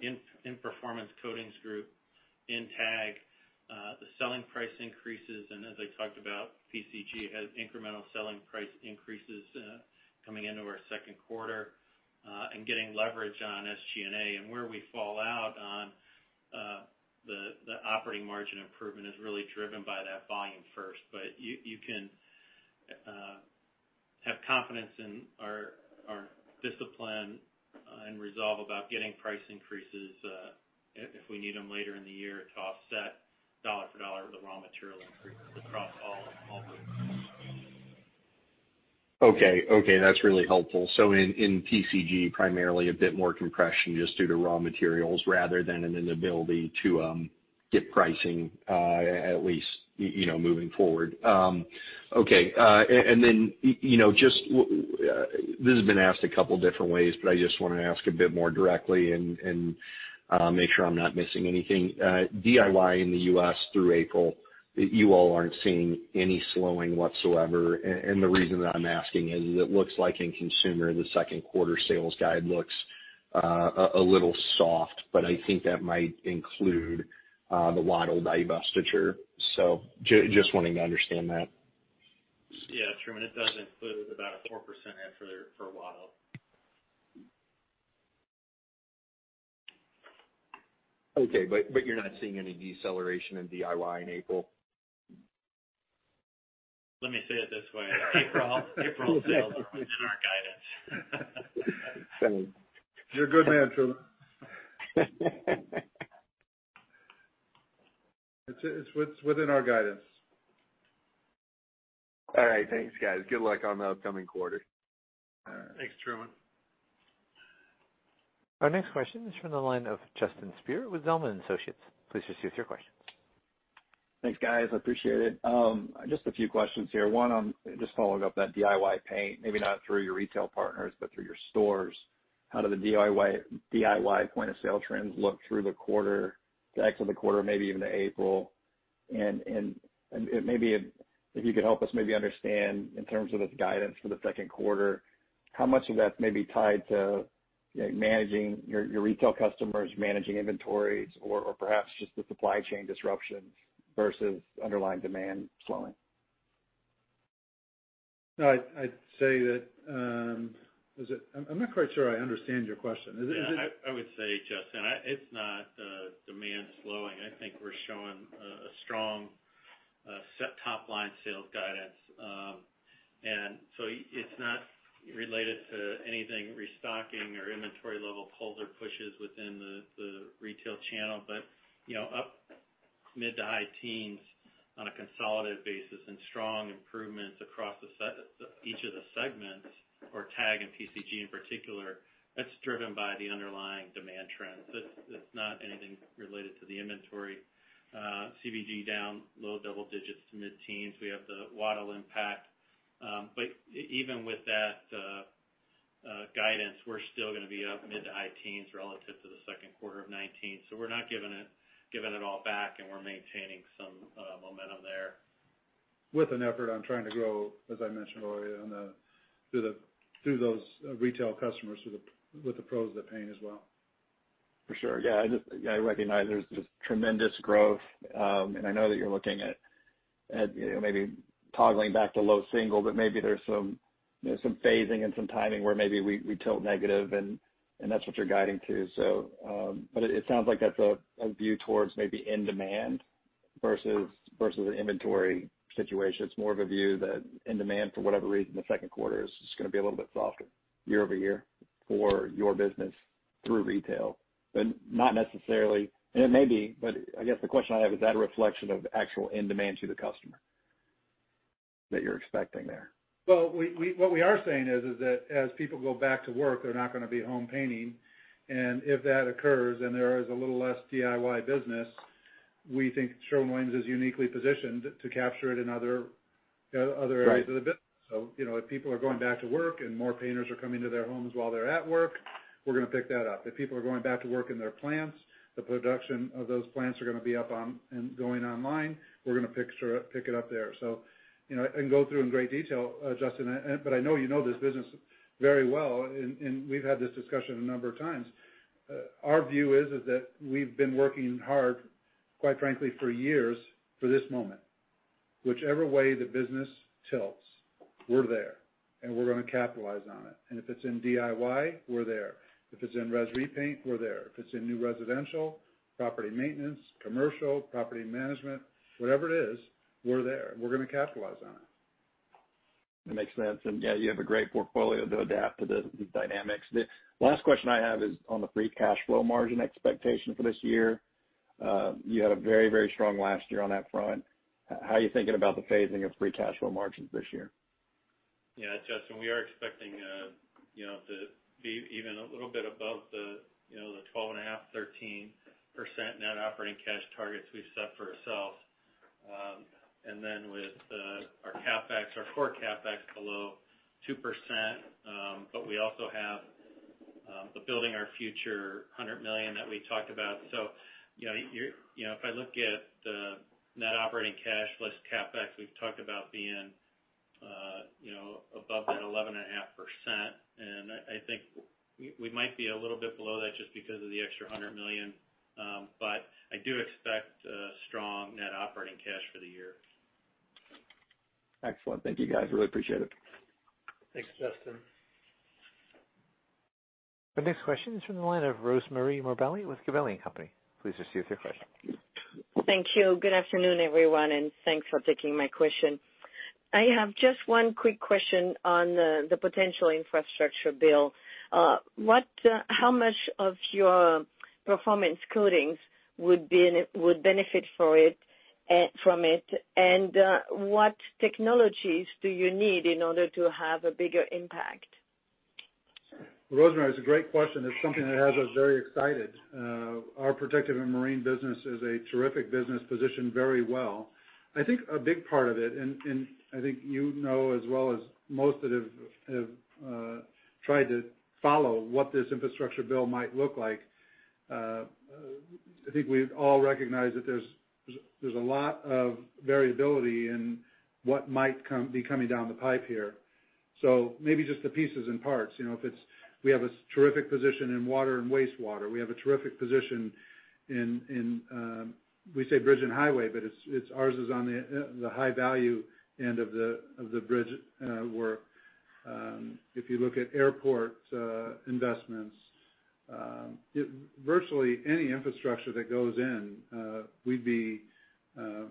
in Performance Coatings Group, in TAG, the selling price increases, and as I talked about, PCG has incremental selling price increases coming into our second quarter, and getting leverage on SG&A. Where we fall out on the operating margin improvement is really driven by that volume first. You can have confidence in our discipline and resolve about getting price increases, if we need them later in the year to offset dollar for dollar the raw material increases across all groups. Okay. That's really helpful. In PCG, primarily a bit more compression just due to raw materials rather than an inability to get pricing, at least, moving forward. Okay. This has been asked a couple different ways, but I just want to ask a bit more directly and make sure I'm not missing anything. DIY in the U.S. through April, you all aren't seeing any slowing whatsoever, and the reason that I'm asking is it looks like in consumer, the second quarter sales guide looks a little soft, but I think that might include the Wattyl divestiture. Just wanting to understand that. Yeah, Truman, it does include about a 4% hit for Wattyl. Okay, you're not seeing any deceleration in DIY in April? Let me say it this way. April sales are within our guidance. You're a good man, Truman. It's within our guidance. All right. Thanks, guys. Good luck on the upcoming quarter. Thanks, Truman. Our next question is from the line of Justin Speer with Zelman & Associates. Please proceed with your questions. Thanks, guys. I appreciate it. Just a few questions here. One on just following up that DIY paint, maybe not through your retail partners, but through your stores. How do the DIY point of sale trends look through the quarter, maybe even to April? If you could help us maybe understand in terms of the guidance for the second quarter, how much of that may be tied to your retail customers managing inventories or perhaps just the supply chain disruptions versus underlying demand slowing? I'm not quite sure I understand your question. Is it- Yeah, I would say, Justin, it's not demand slowing. I think we're showing a strong set top-line sales guidance. It's not related to anything restocking or inventory level pulls or pushes within the retail channel. Up mid to high teens on a consolidated basis and strong improvements across each of the segments or TAG and PCG in particular, that's driven by the underlying demand trends. That's not anything related to the inventory. CBG down low double digits to mid-teens. We have the Wattyl impact. Even with that guidance, we're still going to be up mid to high teens relative to the second quarter of 2019. We're not giving it all back, and we're maintaining some momentum there. With an effort on trying to grow, as I mentioned earlier, through those retail customers with the Pros Who Paint as well. For sure. Yeah. I recognize there's just tremendous growth, and I know that you're looking at maybe toggling back to low single, but maybe there's some phasing and some timing where maybe we tilt negative, and that's what you're guiding to. It sounds like that's a view towards maybe in demand versus an inventory situation. It's more of a view that in demand, for whatever reason, the second quarter is just going to be a little bit softer year-over-year for your business through retail. Not necessarily, and it may be. I guess the question I have, is that a reflection of actual in demand to the customer that you're expecting there? Well, what we are saying is that as people go back to work, they're not going to be home painting, and if that occurs, then there is a little less DIY business. We think Sherwin-Williams is uniquely positioned to capture it in other areas of the business. Right. If people are going back to work and more painters are coming to their homes while they're at work, we're going to pick that up. If people are going back to work in their plants, the production of those plants are going to be up and going online, we're going to pick it up there. I can go through in great detail, Justin, but I know you know this business very well, and we've had this discussion a number of times. Our view is that we've been working hard, quite frankly, for years, for this moment. Whichever way the business tilts, we're there, and we're going to capitalize on it. If it's in DIY, we're there. If it's in res repaint, we're there. If it's in new residential, property maintenance, commercial, property management, whatever it is, we're there. We're going to capitalize on it. That makes sense. Yeah, you have a great portfolio to adapt to the dynamics. The last question I have is on the free cash flow margin expectation for this year. You had a very strong last year on that front. How are you thinking about the phasing of free cash flow margins this year? Yeah, Justin, we are expecting to be even a little bit above the 12.5%-13% net operating cash targets we've set for ourselves. With our CapEx, our core CapEx below 2%. We also have the Building Our Future $100 million that we talked about. If I look at the net operating cash plus CapEx, we've talked about being above that 11.5%. I think we might be a little bit below that just because of the extra $100 million. I do expect strong net operating cash for the year. Excellent. Thank you guys. Really appreciate it. Thanks, Justin. The next question is from the line of Rosemarie Morbelli with Gabelli & Company. Please proceed with your question. Thank you. Good afternoon, everyone, and thanks for taking my question. I have just one quick question on the potential infrastructure bill. How much of your performance coatings would benefit from it, and what technologies do you need in order to have a bigger impact? Rosemarie, it's a great question. It's something that has us very excited. Our protective and marine business is a terrific business, positioned very well. I think a big part of it, and I think you know as well as most that have tried to follow what this infrastructure bill might look like, I think we all recognize that there's a lot of variability in what might be coming down the pipe here. Maybe just the pieces and parts. We have a terrific position in water and wastewater. We have a terrific position in, we say bridge and highway, but ours is on the high-value end of the bridge work. If you look at airport investments, virtually any infrastructure that goes in, we'd be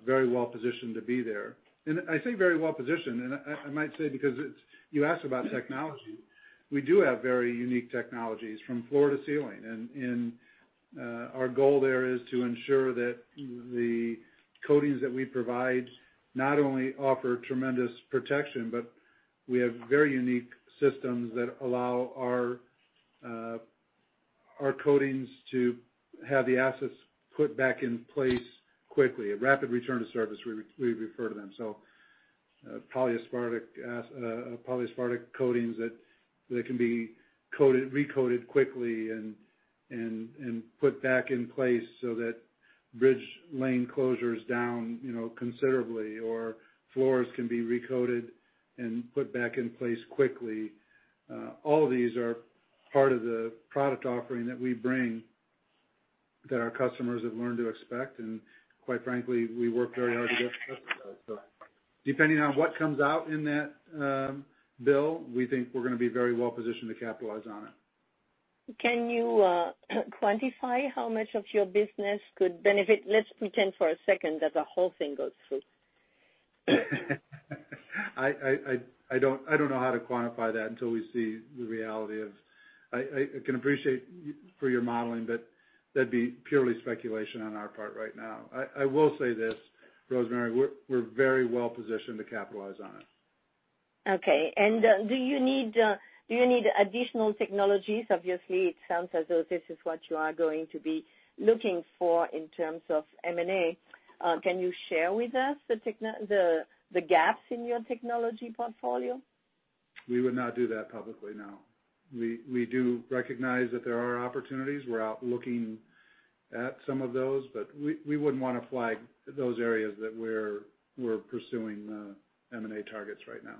very well positioned to be there. I say very well positioned, and I might say, because you asked about technology, we do have very unique technologies from floor to ceiling, and our goal there is to ensure that the coatings that we provide not only offer tremendous protection, but we have very unique systems that allow our coatings to have the assets put back in place quickly. A rapid return to service, we refer to them. Polyaspartic coatings that can be recoated quickly and put back in place so that bridge lane closure is down considerably, or floors can be recoated and put back in place quickly. All of these are part of the product offering that we bring that our customers have learned to expect, and quite frankly, we work very hard to get. Depending on what comes out in that bill, we think we're going to be very well positioned to capitalize on it. Can you quantify how much of your business could benefit? Let's pretend for a second that the whole thing goes through. I don't know how to quantify that until we see the reality. I can appreciate for your modeling, but that'd be purely speculation on our part right now. I will say this, Rosemarie, we're very well positioned to capitalize on it. Okay. Do you need additional technologies? Obviously, it sounds as though this is what you are going to be looking for in terms of M&A. Can you share with us the gaps in your technology portfolio? We would not do that publicly, no. We do recognize that there are opportunities. We're out looking at some of those, but we wouldn't want to flag those areas that we're pursuing M&A targets right now.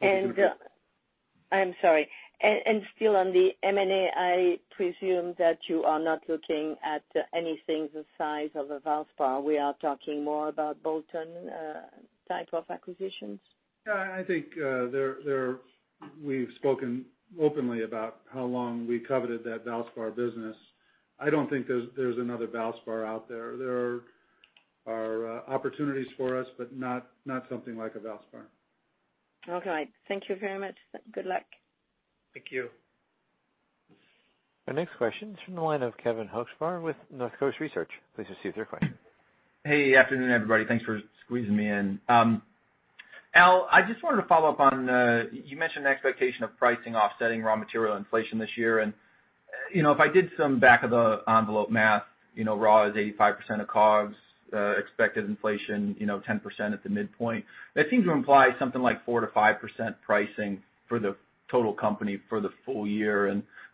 And-- And so- I'm sorry. Still on the M&A, I presume that you are not looking at anything the size of a Valspar. We are talking more about bolt-on type of acquisitions? I think we've spoken openly about how long we coveted that Valspar business. I don't think there's another Valspar out there. There are opportunities for us, but not something like a Valspar. Okay. Thank you very much. Good luck. Thank you. Our next question is from the line of Kevin Hocevar with Northcoast Research. Please proceed with your question. Hey, afternoon, everybody. Thanks for squeezing me in. Al, I just wanted to follow up on, you mentioned the expectation of pricing offsetting raw material inflation this year, if I did some back of the envelope math, raw is 85% of COGS, expected inflation 10% at the midpoint. That seems to imply something like 4%-5% pricing for the total company for the full year.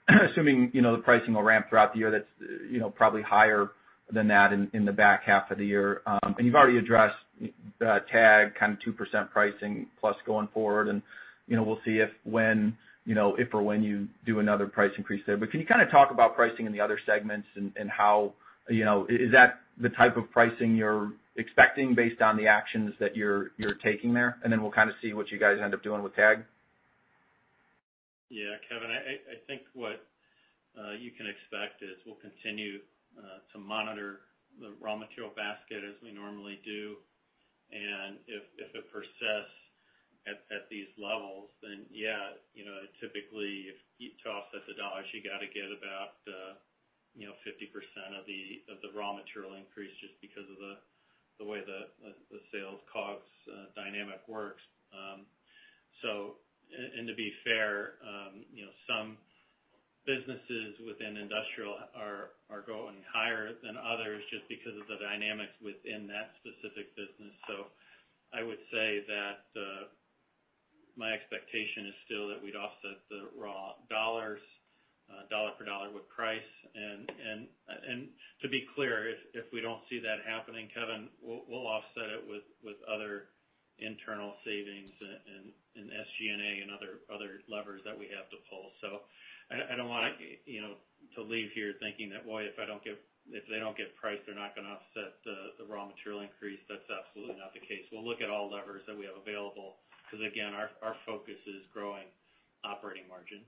Assuming the pricing will ramp throughout the year, that's probably higher than that in the back half of the year. You've already addressed TAG kind of 2% pricing plus going forward, and we'll see if or when you do another price increase there. Can you kind of talk about pricing in the other segments and is that the type of pricing you're expecting based on the actions that you're taking there? We'll kind of see what you guys end up doing with TAG. Yeah, Kevin, I think what you can expect is we'll continue to monitor the raw material basket as we normally do. If it persists at these levels, yeah, typically to offset the dollar, you got to get about 50% of the raw material increase just because of the way the sales COGS dynamic works. To be fair, some businesses within industrial are going higher than others just because of the dynamics within that specific business. I would say that my expectation is still that we'd offset the raw dollars, dollar for dollar with price. To be clear, if we don't see that happening, Kevin, we'll offset it with other internal savings and SG&A and other levers that we have to pull. I don't want to leave here thinking that, well, if they don't get price, they're not going to offset the raw material increase. That's absolutely not the case. We'll look at all levers that we have available, because again, our focus is growing operating margin.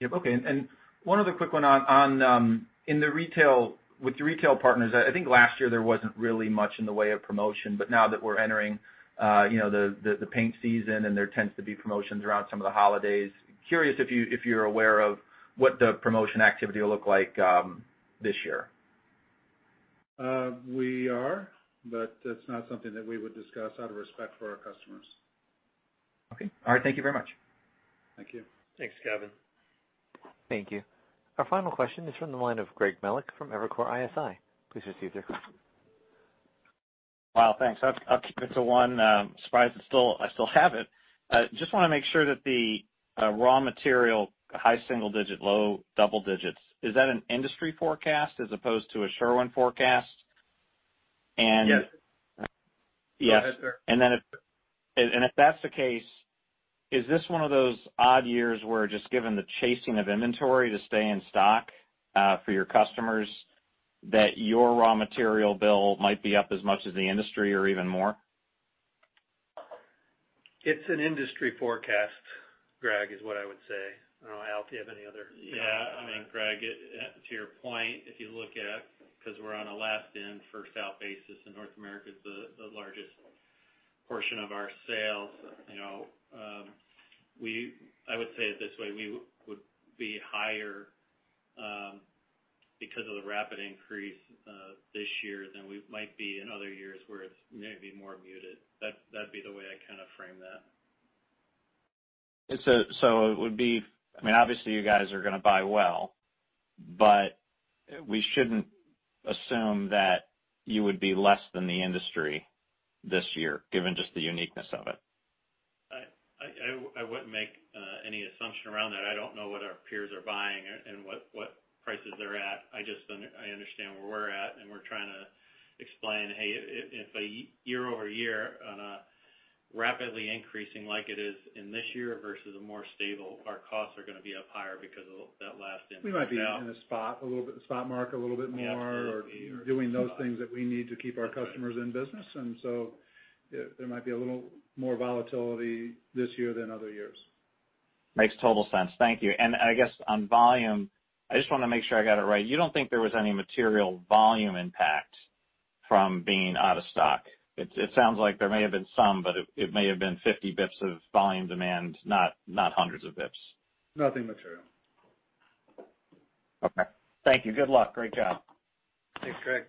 Yep. Okay. One other quick one. With the retail partners, I think last year there wasn't really much in the way of promotion, but now that we're entering the paint season and there tends to be promotions around some of the holidays, curious if you're aware of what the promotion activity will look like this year. We are. That's not something that we would discuss out of respect for our customers. Okay. All right. Thank you very much. Thank you. Thanks, Kevin. Thank you. Our final question is from the line of Greg Melich from Evercore ISI. Please proceed, sir. Wow, thanks. I'll keep it to one. Surprised I still have it. Just want to make sure that the raw material high single digit, low double digits, is that an industry forecast as opposed to a Sherwin forecast? Yes. Yes. Go ahead, sir. If that's the case, is this one of those odd years where just given the chasing of inventory to stay in stock for your customers, that your raw material bill might be up as much as the industry or even more? It's an industry forecast, Greg, is what I would say. I don't know, Al, if you have any other- Yeah, Greg, to your point, because we're on a last in, first out basis in North America is the largest portion of our sales. I would say it this way, we would be higher because of the rapid increase this year than we might be in other years where it's maybe more muted. That'd be the way I kind of frame that. It would be, obviously you guys are going to buy well, but we shouldn't assume that you would be less than the industry this year, given just the uniqueness of it. I wouldn't make any assumption around that. I don't know what our peers are buying and what prices they're at. I understand where we're at. We're trying to explain, hey, if a year-over-year on a rapidly increasing like it is in this year versus a more stable, our costs are going to be up higher because of that last in, first out. We might be in the spot market a little bit more or doing those things that we need to keep our customers in business. There might be a little more volatility this year than other years. Makes total sense. Thank you. I guess on volume, I just want to make sure I got it right. You don't think there was any material volume impact from being out of stock? It sounds like there may have been some, but it may have been 50 basis points of volume demand, not hundreds of basis points. Nothing material. Okay. Thank you. Good luck. Great job. Thanks, Greg.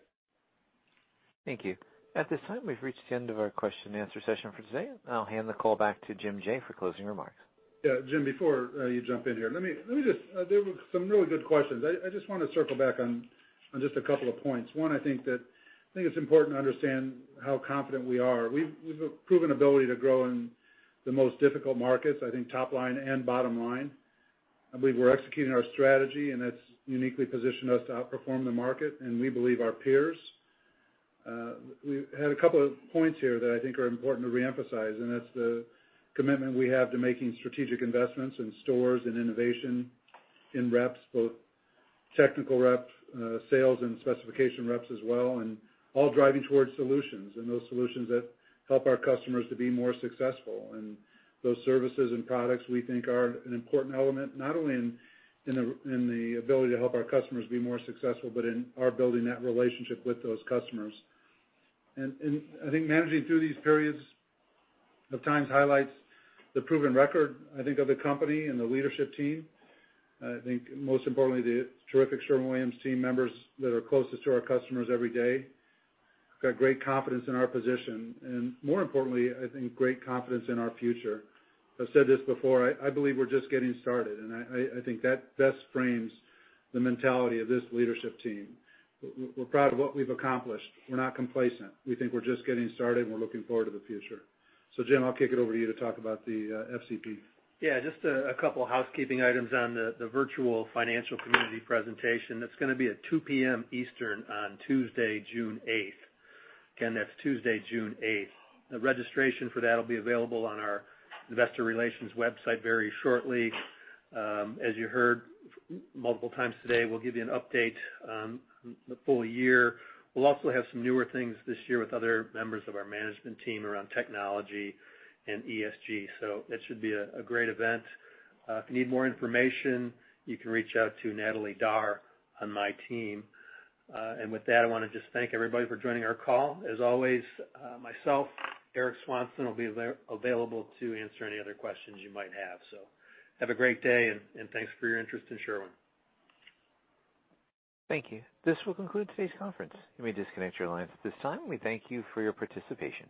Thank you. At this time, we've reached the end of our question-and-answer session for today. I'll hand the call back to Jim Jaye for closing remarks. Yeah. Jim, before you jump in here, there were some really good questions. I just want to circle back on just a couple of points. One, I think it's important to understand how confident we are. We've a proven ability to grow in the most difficult markets, I think top line and bottom line. I believe we're executing our strategy, and that's uniquely positioned us to outperform the market, and we believe our peers. We had a couple of points here that I think are important to reemphasize, and that's the commitment we have to making strategic investments in stores and innovation in reps, both technical reps, sales and specification reps as well, and all driving towards solutions and those solutions that help our customers to be more successful. Those services and products we think are an important element, not only in the ability to help our customers be more successful, but in our building that relationship with those customers. I think managing through these periods of times highlights the proven record of the company and the leadership team. I think most importantly, the terrific Sherwin-Williams team members that are closest to our customers every day. Got great confidence in our position, and more importantly, I think great confidence in our future. I've said this before, I believe we're just getting started, and I think that best frames the mentality of this leadership team. We're proud of what we've accomplished. We're not complacent. We think we're just getting started, and we're looking forward to the future. Jim, I'll kick it over to you to talk about the FCP. Just a couple housekeeping items on the virtual financial community presentation. That's going to be at 2:00 P.M. Eastern on Tuesday, June 8th. Again, that's Tuesday, June 8th. The registration for that will be available on our investor relations website very shortly. As you heard multiple times today, we'll give you an update on the full year. We'll also have some newer things this year with other members of our management team around technology and ESG. It should be a great event. If you need more information, you can reach out to Natalie Darr on my team. With that, I want to just thank everybody for joining our call. As always, myself, Eric Swanson will be available to answer any other questions you might have. Have a great day, and thanks for your interest in Sherwin. Thank you. This will conclude today's conference. You may disconnect your lines at this time. We thank you for your participation.